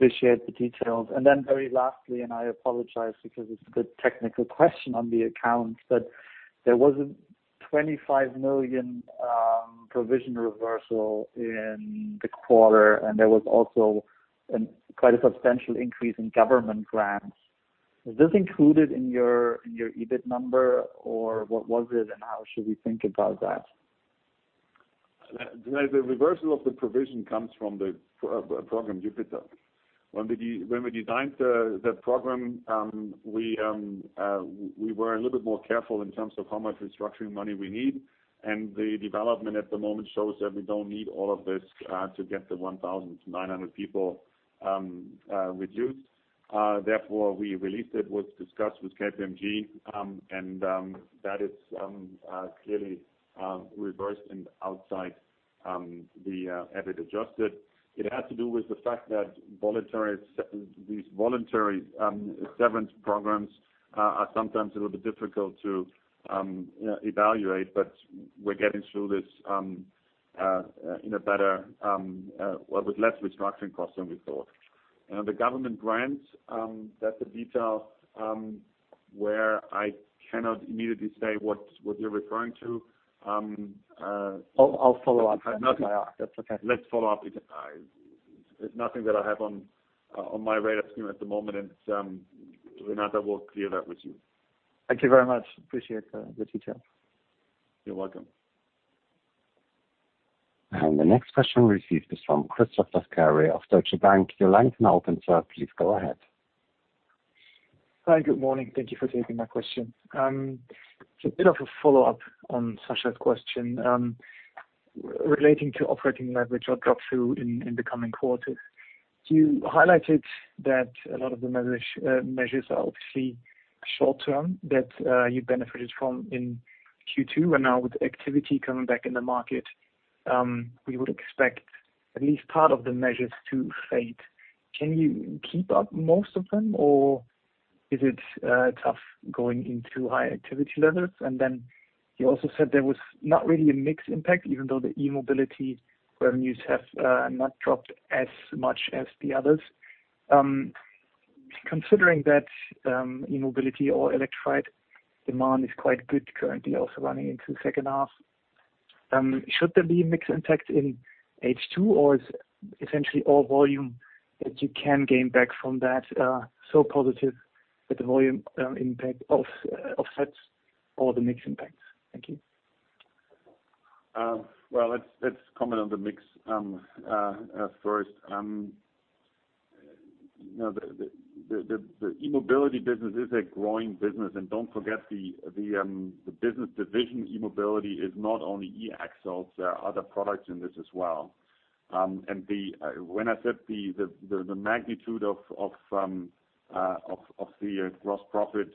Appreciate the details. And then very lastly, and I apologize because it's a bit technical question on the accounts, but there was a 25 million provision reversal in the quarter, and there was also quite a substantial increase in government grants. Is this included in your EBIT number, or what was it, and how should we think about that? The reversal of the provision comes from the program Jupiter. When we designed the program, we were a little bit more careful in terms of how much restructuring money we need, and the development at the moment shows that we don't need all of this to get the 1,900 people reduced. Therefore, we released it, was discussed with KPMG, and that is clearly reversed and outside the EBIT adjusted. It has to do with the fact that these voluntary severance programs are sometimes a little bit difficult to evaluate, but we're getting through this Well, with less restructuring costs than we thought. The government grants, that's a detail where I cannot immediately say what you're referring to. I'll follow up. That's okay. Let's follow up. It's nothing that I have on my radar screen at the moment. Renata will clear that with you. Thank you very much. Appreciate the details. You're welcome. The next question received is from Christoph Laskawi of Deutsche Bank. Your line is now open, sir. Please go ahead. Hi. Good morning. Thank you for taking my question. A bit of a follow-up on Sascha's question relating to operating leverage or drop-through in the coming quarters. You highlighted that a lot of the measures are obviously short-term, that you benefited from in Q2. Now with activity coming back in the market, we would expect at least part of the measures to fade. Can you keep up most of them, or is it tough going into high activity levels? Then you also said there was not really a mix impact, even though the E-Mobility revenues have not dropped as much as the others. Considering that E-Mobility or electrified demand is quite good currently, also running into the second half, should there be a mix impact in H2, or is essentially all volume that you can gain back from that so positive that the volume impact offsets all the mix impacts? Thank you. Well, let's comment on the mix first. The E-Mobility business is a growing business, and don't forget the business division E-Mobility is not only eAxles, there are other products in this as well. When I said the magnitude of the gross profit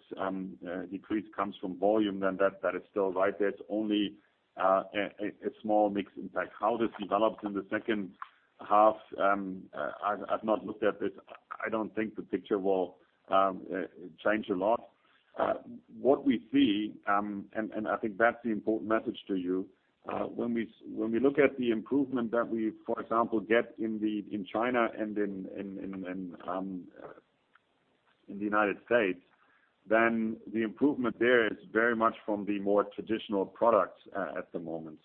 decrease comes from volume, then that is still right. There's only a small mix impact. How this develops in the second half. I've not looked at this. I don't think the picture will change a lot. What we see, and I think that's the important message to you, when we look at the improvement that we, for example, get in China and in the United States, then the improvement there is very much from the more traditional products at the moment.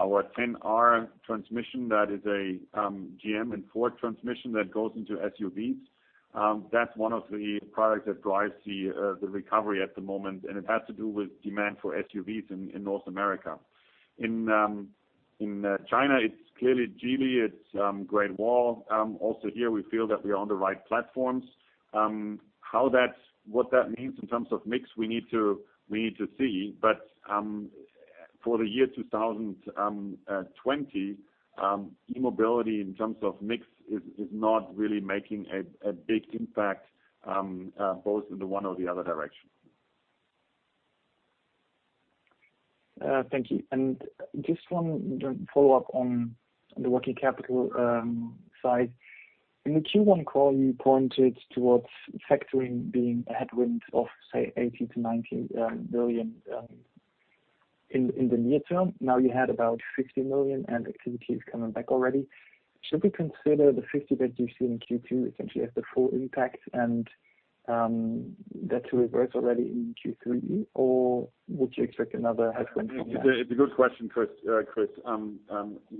Our 10R transmission, that is a GM and Ford transmission that goes into SUVs. That's one of the products that drives the recovery at the moment, and it has to do with demand for SUVs in North America. In China, it's clearly Geely, it's Great Wall. Also here we feel that we are on the right platforms. What that means in terms of mix, we need to see. For the year 2020, E-Mobility in terms of mix is not really making a big impact, both in the one or the other direction. Thank you. Just one follow-up on the working capital side. In the Q1 call, you pointed towards factoring being a headwind of, say, 80 billion-90 billion in the near term. Now you had about 50 million and activity is coming back already. Should we consider the 50 that you've seen in Q2 essentially as the full impact and that to reverse already in Q3, or would you expect another headwind from that? It's a good question, Chris. You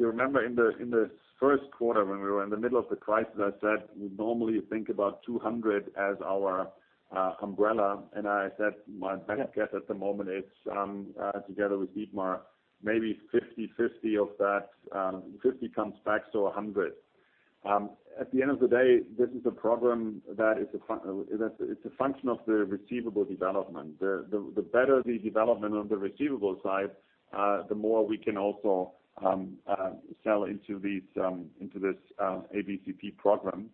remember in the first quarter when we were in the middle of the crisis, I said we normally think about 200 million as our umbrella, and I said my best guess at the moment is, together with Dietmar, maybe 50-50 of that 50 million comes back, so 100 million. At the end of the day, this is a problem that is a function of the receivable development. The better the development of the receivable side, the more we can also sell into this ABCP program.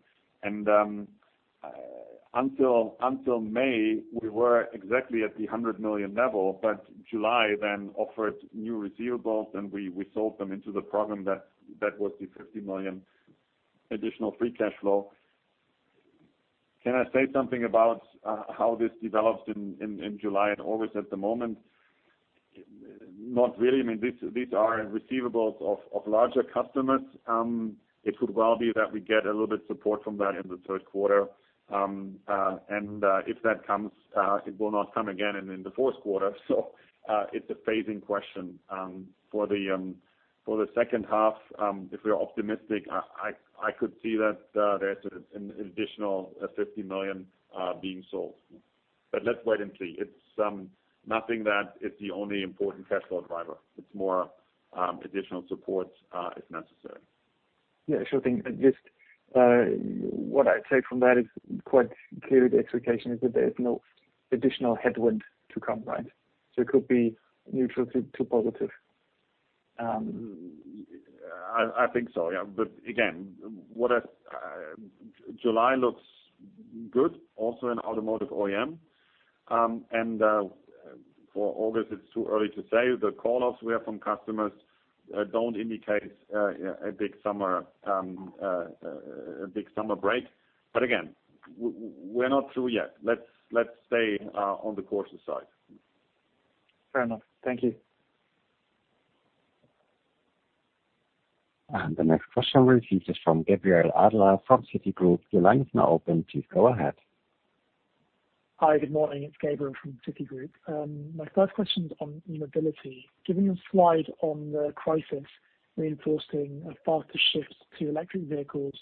Until May, we were exactly at the 100 million level, but July then offered new receivables, and we sold them into the program. That was the 50 million additional free cash flow. Can I say something about how this developed in July and August at the moment? Not really. These are receivables of larger customers. It could well be that we get a little bit of support from that in the third quarter. If that comes, it will not come again in the fourth quarter. It's a phasing question. For the second half, if we're optimistic, I could see that there's an additional 50 million being sold. Let's wait and see. It's nothing that it's the only important cash flow driver. It's more additional support if necessary. Yeah, sure thing. What I take from that is quite clearly the expectation is that there is no additional headwind to come, right? It could be neutral to positive. I think so, yeah. Again, July looks good also in Automotive OEM. For August, it's too early to say. The call-offs we have from customers don't indicate a big summer break. Again, we're not through yet. Let's stay on the cautious side. Fair enough. Thank you. The next question we receive is from Gabriel Adler from Citigroup. Your line is now open. Please go ahead. Hi, good morning. It's Gabriel from Citigroup. My first question is on mobility. Given your slide on the crisis reinforcing a faster shift to electric vehicles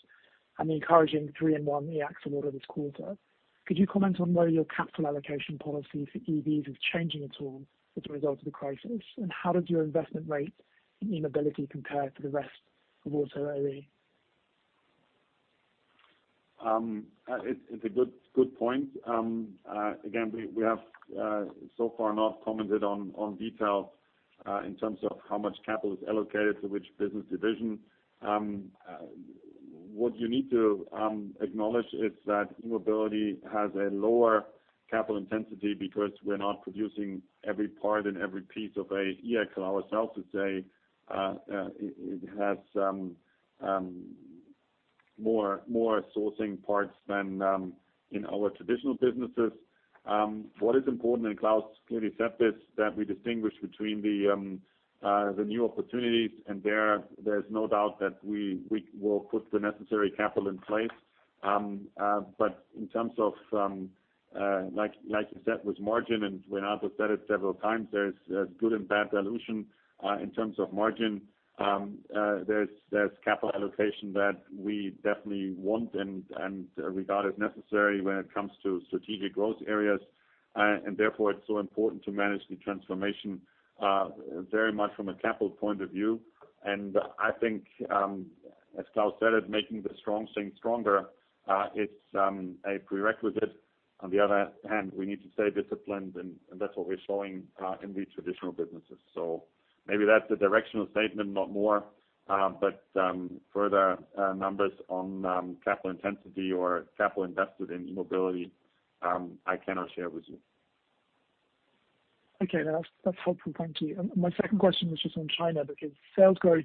and the encouraging 3-in-1 eAxle order this quarter, could you comment on whether your capital allocation policy for EVs is changing at all as a result of the crisis? How does your investment rate in E-Mobility compare to the rest of Auto OE? It's a good point. Again, we have so far not commented on detail in terms of how much capital is allocated to which business division. What you need to acknowledge is that E-Mobility has a lower capital intensity because we're not producing every part and every piece of a eAxle ourselves to say it has more sourcing parts than in our traditional businesses. What is important, and Klaus clearly said this, that we distinguish between the new opportunities, and there's no doubt that we will put the necessary capital in place. In terms of, like you said, with margin, and Reinhard said it several times, there's good and bad dilution in terms of margin. There's capital allocation that we definitely want and regard as necessary when it comes to strategic growth areas. Therefore, it's so important to manage the transformation very much from a capital point of view. I think, as Klaus said, making the strong things stronger, it's a prerequisite. On the other hand, we need to stay disciplined, and that's what we're showing in the traditional businesses. Maybe that's a directional statement, not more. Further numbers on capital intensity or capital invested in E-Mobility, I cannot share with you. Okay, that's helpful. Thank you. My second question was just on China, because sales growth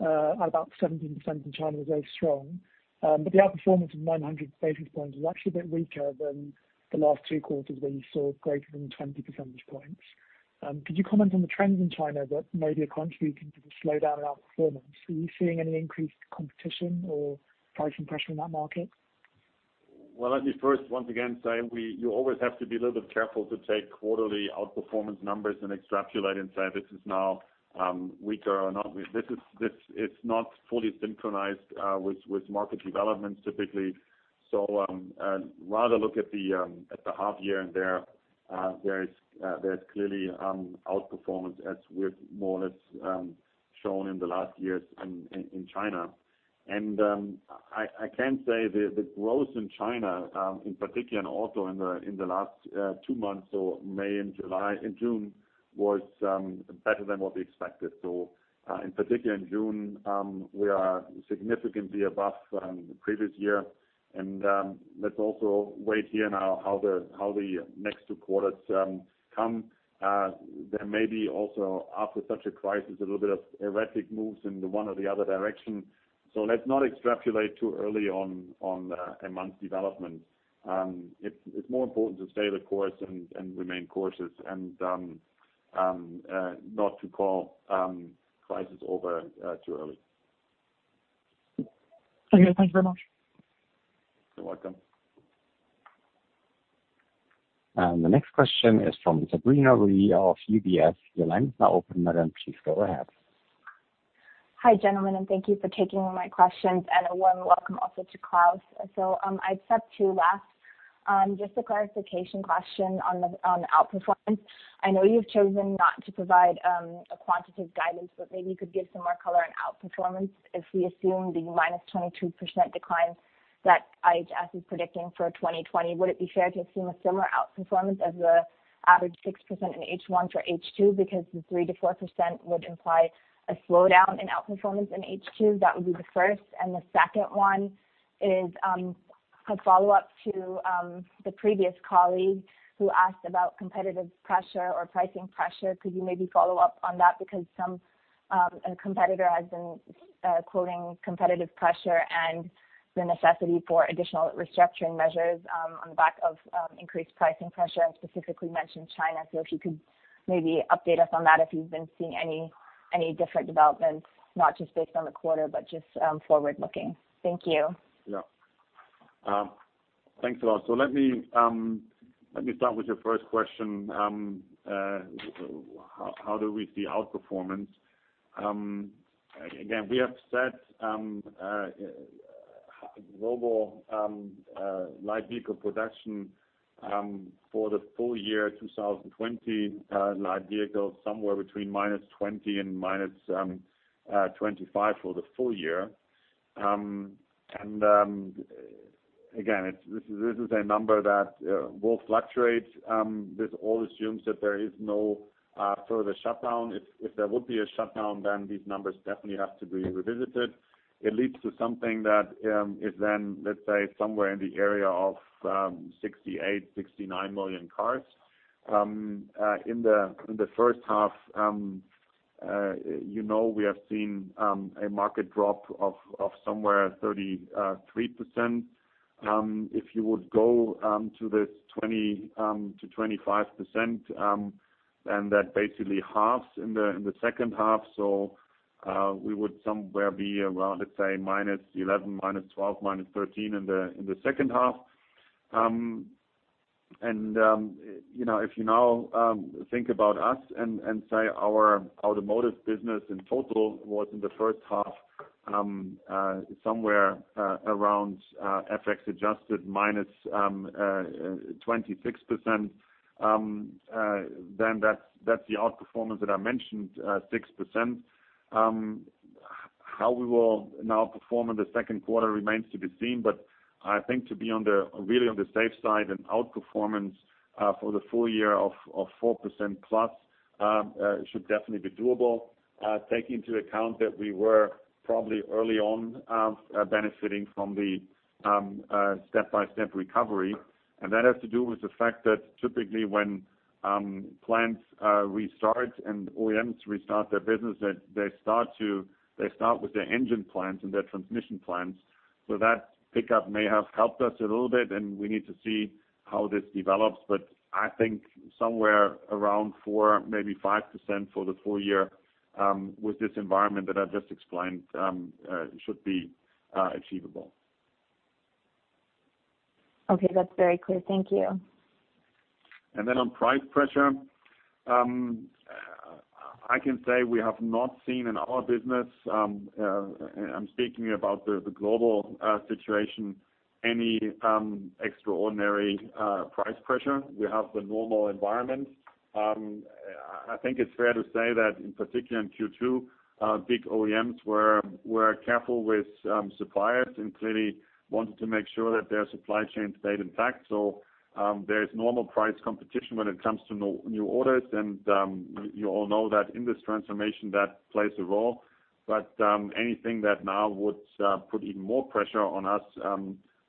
at about 17% in China was very strong. The outperformance of 900 basis points was actually a bit weaker than the last two quarters where you saw greater than 20 percentage points. Could you comment on the trends in China that may be contributing to the slowdown in outperformance? Are you seeing any increased competition or pricing pressure in that market? Well, let me first, once again, say you always have to be a little bit careful to take quarterly outperformance numbers and extrapolate and say, this is now weaker or not. It is not fully synchronized with market developments, typically. Rather look at the half year, and there is clearly outperformance as we have more or less shown in the last years in China. I can say the growth in China, in particular, and also in the last two months, May and June, was better than what we expected. In particular in June, we are significantly above the previous year. Let us also wait here now how the next two quarters come. There may be also, after such a crisis, a little bit of erratic moves in the one or the other direction. Let us not extrapolate too early on a month's development. It's more important to stay the course and remain courses and not to call crises over too early. Okay. Thank you very much. You're welcome. The next question is from Sabrina Reeh of UBS. Your line is now open, madam. Please go ahead. Hi, gentlemen, thank you for taking my questions and a warm welcome also to Klaus. I have two last, just a clarification question on the outperformance. I know you've chosen not to provide a quantitative guidance, maybe you could give some more color on outperformance. If we assume the -22% decline that IHS is predicting for 2020, would it be fair to assume a similar outperformance as the average 6% in H1 for H2 because the 3%-4% would imply a slowdown in outperformance in H2. That would be the first. The second one is a follow-up to the previous colleague who asked about competitive pressure or pricing pressure. Could you maybe follow up on that? Some competitor has been quoting competitive pressure and the necessity for additional restructuring measures on the back of increased pricing pressure, and specifically mentioned China. If you could maybe update us on that, if you've been seeing any different developments, not just based on the quarter, but just forward-looking. Thank you. Yeah. Thanks a lot. Let me start with your first question. How do we see outperformance? Again, we have said global light vehicle production for the full year 2020, light vehicles somewhere between -20% and -25% for the full year. Again, this is a number that will fluctuate. This all assumes that there is no further shutdown. If there would be a shutdown, these numbers definitely have to be revisited. It leads to something that is, let's say, somewhere in the area of 68million, 69 million cars. In the first half, we have seen a market drop of somewhere 33%. If you would go to this 20%-25%, and that basically halves in the second half. We would somewhere be around, let's say, -11%, -12%, -13% in the second half. If you now think about us and say our automotive business in total was in the first half somewhere around FX adjusted -26%, then that's the outperformance that I mentioned, 6%. How we will now perform in the second quarter remains to be seen, but I think to be really on the safe side, an outperformance for the full year of 4%+ should definitely be doable, taking into account that we were probably early on benefiting from the step-by-step recovery. That has to do with the fact that typically when plants restart and OEMs restart their business, they start with their engine plants and their transmission plants, so that pickup may have helped us a little bit, and we need to see how this develops, but I think somewhere around 4%, maybe 5% for the full year with this environment that I just explained should be achievable. Okay. That's very clear. Thank you. On price pressure, I can say we have not seen in our business, I am speaking about the global situation, any extraordinary price pressure. We have the normal environment. I think it is fair to say that in particular in Q2, big OEMs were careful with suppliers and clearly wanted to make sure that their supply chains stayed intact. There is normal price competition when it comes to new orders, and you all know that in this transformation, that plays a role. Anything that now would put even more pressure on us,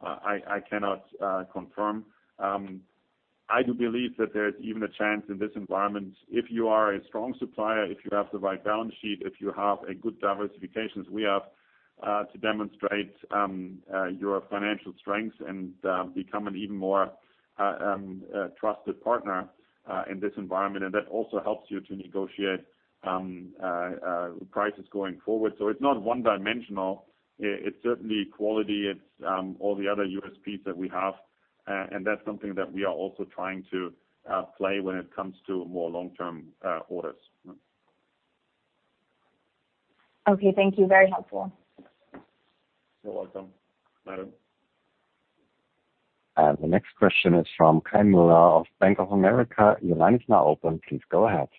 I cannot confirm. I do believe that there is even a chance in this environment if you are a strong supplier, if you have the right balance sheet, if you have a good diversifications we have to demonstrate your financial strength and become an even more trusted partner in this environment andthat also helps you to negotiate prices going forward. It's not one-dimensional. It's certainly quality. It's all the other USPs that we have. That's something that we are also trying to play when it comes to more long-term orders. Okay. Thank you. Very helpful. You're welcome. Madam. The next question is from Kai Mueller of Bank of America. Your line is now open. Please go ahead.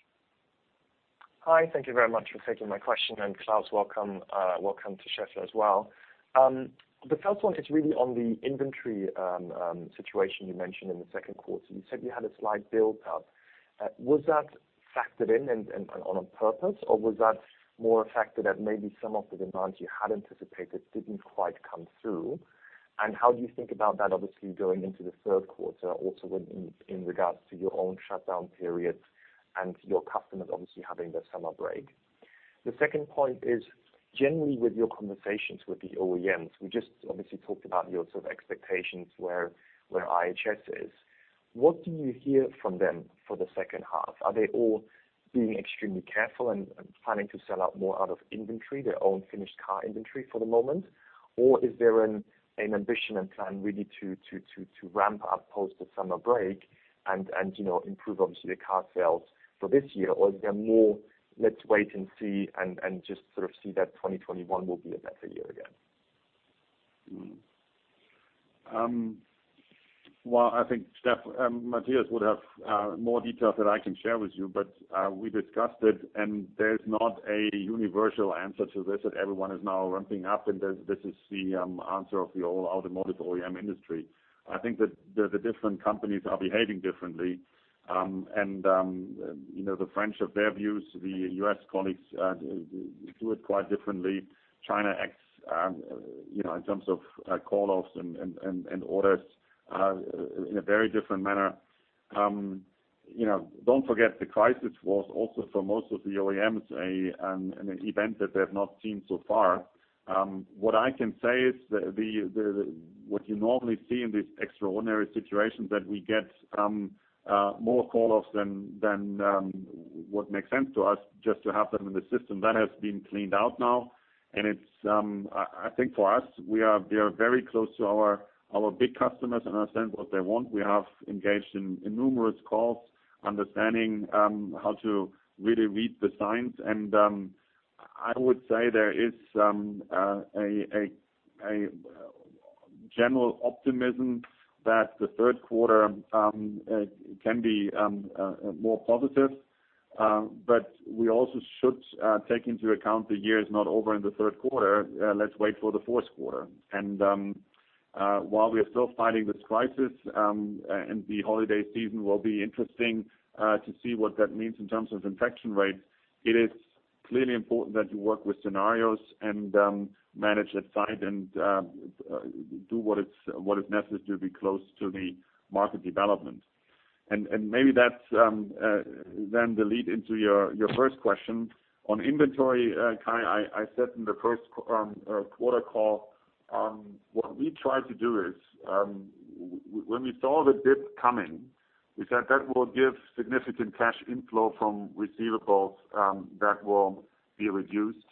Hi. Thank you very much for taking my question. Klaus, welcome to Schaeffler as well. The first one is really on the inventory situation you mentioned in the second quarter. You said you had a slight build-up. Was that factored in and on purpose, or was that more a factor that maybe some of the demands you had anticipated didn't quite come through? How do you think about that, obviously, going into the third quarter, also in regards to your own shutdown periods and your customers obviously having their summer break? The second point is, generally with your conversations with the OEMs, we just obviously talked about your sort of expectations where IHS is. What do you hear from them for the second half? Are they all being extremely careful and planning to sell out more out of inventory, their own finished car inventory for the moment? Is there an ambition and plan really to ramp up post the summer break and improve obviously their car sales for this year? Is there more, let's wait and see and just sort of see that 2021 will be a better year again? Well, I think Matthias would have more details that I can share with you, but we discussed it, and there's not a universal answer to this, that everyone is now ramping up, and this is the answer of the whole Automotive OEM industry. I think that the different companies are behaving differently. The French have their views. The U.S. colleagues do it quite differently. China acts, in terms of call-offs and orders, in a very different manner. Don't forget, the crisis was also for most of the OEMs, an event that they have not seen so far. What I can say is what you normally see in these extraordinary situations, that we get more call-offs than what makes sense to us just to have them in the system. That has been cleaned out now. I think for us, we are very close to our big customers and understand what they want. We have engaged in numerous calls, understanding how to really read the signs. I would say there is a general optimism that the third quarter can be more positive. We also should take into account the year is not over in the third quarter. Let's wait for the fourth quarter. While we are still fighting this crisis, and the holiday season will be interesting to see what that means in terms of infection rates, it is clearly important that you work with scenarios and manage that side and do what is necessary to be close to the market development. Maybe that's then the lead into your first question. On inventory, Kai, I said in the first quarter call, what we try to do is when we saw the dip coming, we said that will give significant cash inflow from receivables that will be reduced.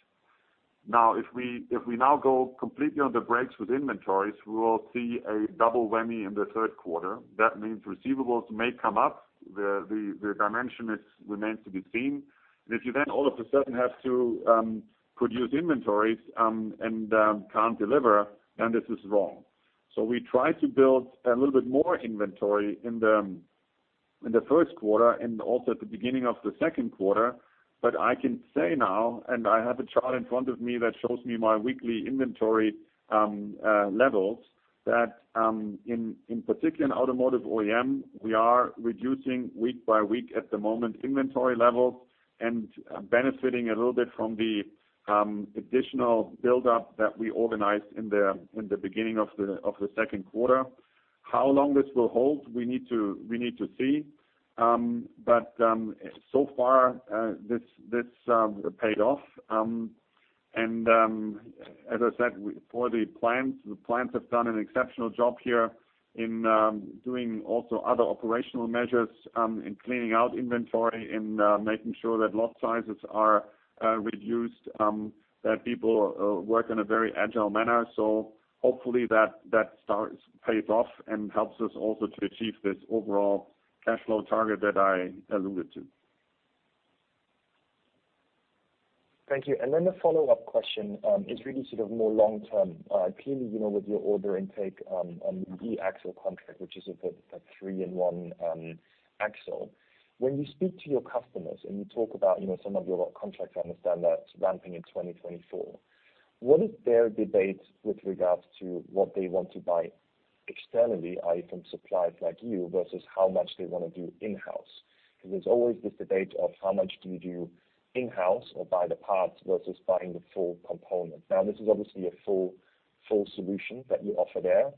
If we now go completely on the brakes with inventories, we will see a double whammy in the third quarter. That means receivables may come up. The dimension remains to be seen. If you then all of a sudden have to produce inventories and can't deliver, then this is wrong. We try to build a little bit more inventory in the first quarter and also at the beginning of the second quarter. I can say now, and I have a chart in front of me that shows me my weekly inventory levels, that in particular in Automotive OEM, we are reducing week by week at the moment inventory levels and benefiting a little bit from the additional build-up that we organized in the beginning of the second quarter. How long this will hold? We need to see. So far, this paid off. As I said, for the plants, the plants have done an exceptional job here in doing also other operational measures in cleaning out inventory and making sure that lot sizes are reduced, that people work in a very agile manner. Hopefully that starts to pay off and helps us also to achieve this overall cash flow target that I alluded to. Thank you. The follow-up question is really sort of more long-term. Clearly, with your order intake on the eAxle contract, which is a 3-in-1 axle. When you speak to your customers and you talk about some of your contracts, I understand that's ramping in 2024. What is their debate with regards to what they want to buy externally, i.e., from suppliers like you, versus how much they want to do in-house? There's always this debate of how much do you do in-house or buy the parts versus buying the full component. Now, this is obviously a full solution that you offer there.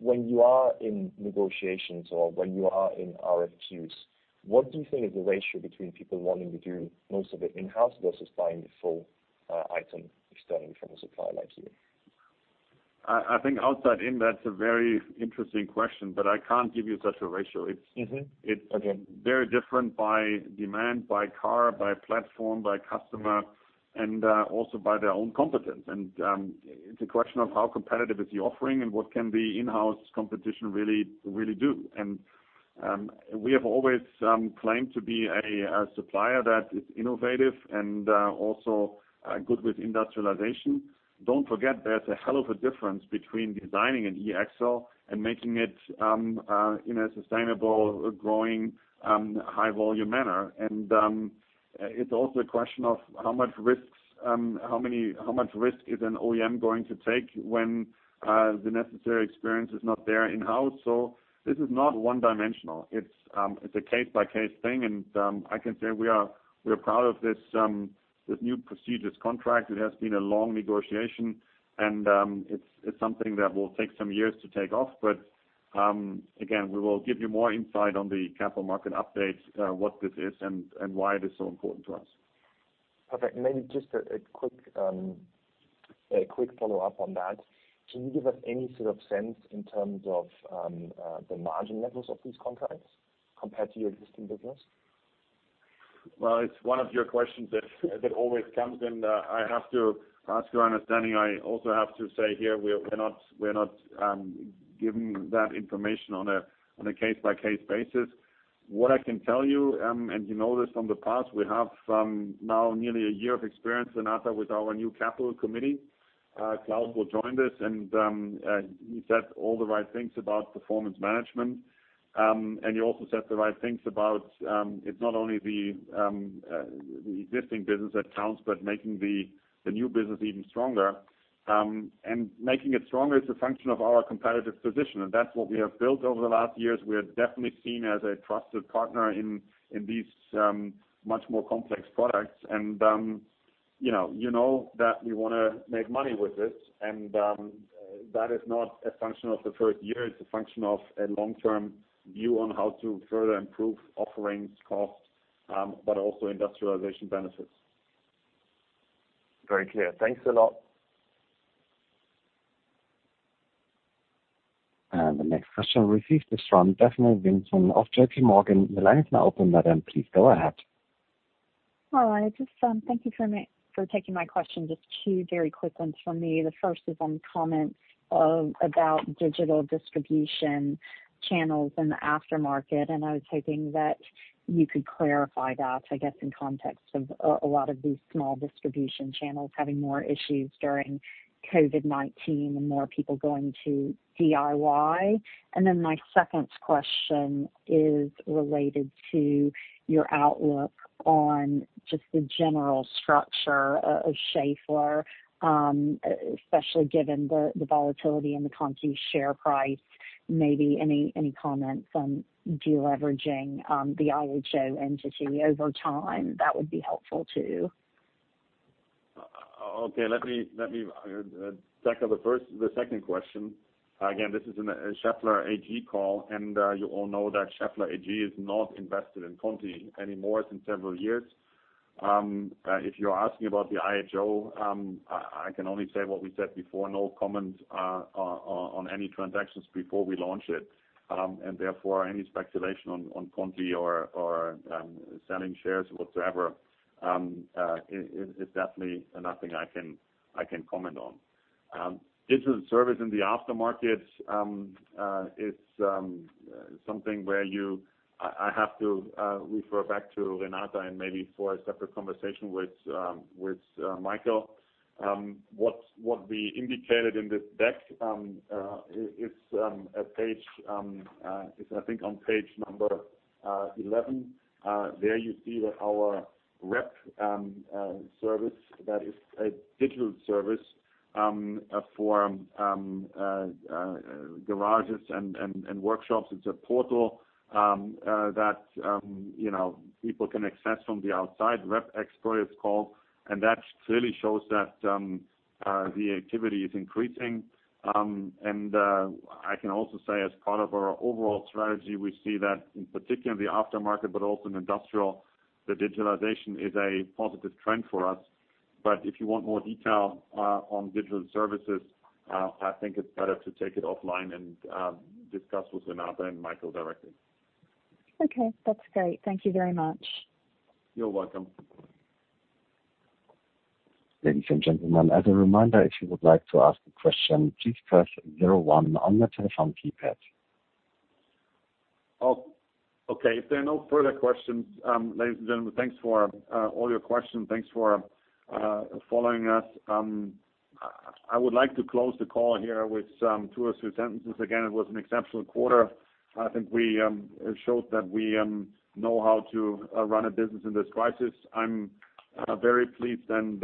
When you are in negotiations or when you are in RFQs, what do you think is the ratio between people wanting to do most of it in-house versus buying the full item externally from a supplier like you? I think outside in, that's a very interesting question. I can't give you such a ratio. Mm-hmm. Okay. It's very different by demand, by car, by platform, by customer, and also by their own competence. It's a question of how competitive is the offering and what can the in-house competition really do. We have always claimed to be a supplier that is innovative and also good with industrialization. Don't forget, there's a hell of a difference between designing an eAxle and making it in a sustainable, growing, high-volume manner. It's also a question of how much risk is an OEM going to take when the necessary experience is not there in-house. This is not one-dimensional. It's a case-by-case thing, and I can say we're proud of this new procedures contract. It has been a long negotiation, and it's something that will take some years to take off. Again, we will give you more insight on the capital market update, what this is, and why it is so important to us. Perfect. Maybe just a quick follow-up on that. Can you give us any sort of sense in terms of the margin levels of these contracts compared to your existing business? Well, it's one of your questions that always comes. I have to ask your understanding. I also have to say here, we're not giving that information on a case-by-case basis. What I can tell you know this from the past, we have now nearly a year of experience, Renata, with our new capital committee. Klaus will join this. He said all the right things about performance management. You also said the right things about it's not only the existing business that counts, but making the new business even stronger. Making it stronger is a function of our competitive position. That's what we have built over the last years. We are definitely seen as a trusted partner in these much more complex products. You know that we want to make money with this and that is not a function of the first year. It's a function of a long-term view on how to further improve offerings, cost, but also industrialization benefits. Very clear. Thanks a lot. The next question we receive is from Staphanie Vincent of JPMorgan. The line is now open, madam. Please go ahead. Hello. Just thank you for taking my question. Just two very quick ones from me. The first is on comments about digital distribution channels in the aftermarket, and I was hoping that you could clarify that, I guess, in context of a lot of these small distribution channels having more issues during COVID-19 and more people going to DIY. Then my second question is related to your outlook on just the general structure of Schaeffler, especially given the volatility in the Continental share price. Maybe any comments on de-leveraging the IHO entity over time. That would be helpful, too. Let me tackle the second question. This is a Schaeffler AG call, you all know that Schaeffler AG is not invested in Conti anymore, since several years. If you're asking about the IHO, I can only say what we said before, no comment on any transactions before we launch it. Any speculation on Conti or selling shares whatsoever is definitely nothing I can comment on. Digital service in the aftermarket is something where I have to refer back to Renata and maybe for a separate conversation with Michael. What we indicated in this deck is, I think, on page number 11. There you see that our REPXPERT, that is a digital service for garages and workshops. It's a portal that people can access from the outside. REPXPERT it's called, that clearly shows that the activity is increasing. I can also say as part of our overall strategy, we see that in particular in the aftermarket, but also in Industrial, the digitalization is a positive trend for us. If you want more detail on digital services, I think it's better to take it offline and discuss with Renata and Michael directly. Okay. That's great. Thank you very much. You're welcome. Ladies and gentlemen, as a reminder, if you would like to ask a question, please press zero one on your telephone keypad. Okay. If there are no further questions, ladies and gentlemen, thanks for all your questions. Thanks for following us. I would like to close the call here with two or three sentences. It was an exceptional quarter. I think it shows that we know how to run a business in this crisis. I'm very pleased and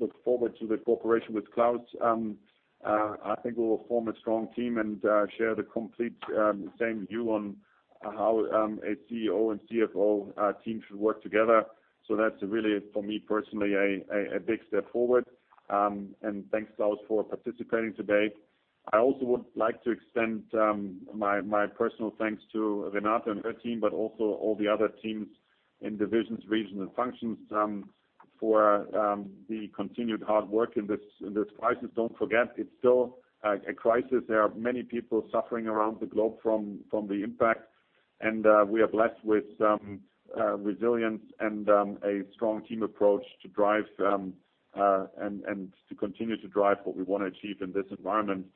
look forward to the cooperation with Klaus. I think we will form a strong team and share the complete same view on how a CEO and CFO team should work together. That's really, for me personally, a big step forward. Thanks, Klaus, for participating today. I also would like to extend my personal thanks to Renata and her team, but also all the other teams in divisions, regions, and functions for the continued hard work in this crisis. Don't forget, it's still a crisis. There are many people suffering around the globe from the impact, and we are blessed with resilience and a strong team approach to continue to drive what we want to achieve in this environment.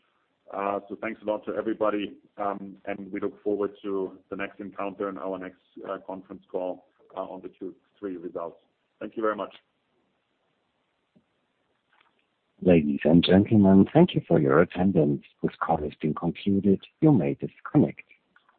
Thanks a lot to everybody, and we look forward to the next encounter and our next conference call on the Q3 results. Thank you very much. Ladies and gentlemen, thank you for your attendance. This call has been concluded. You may disconnect.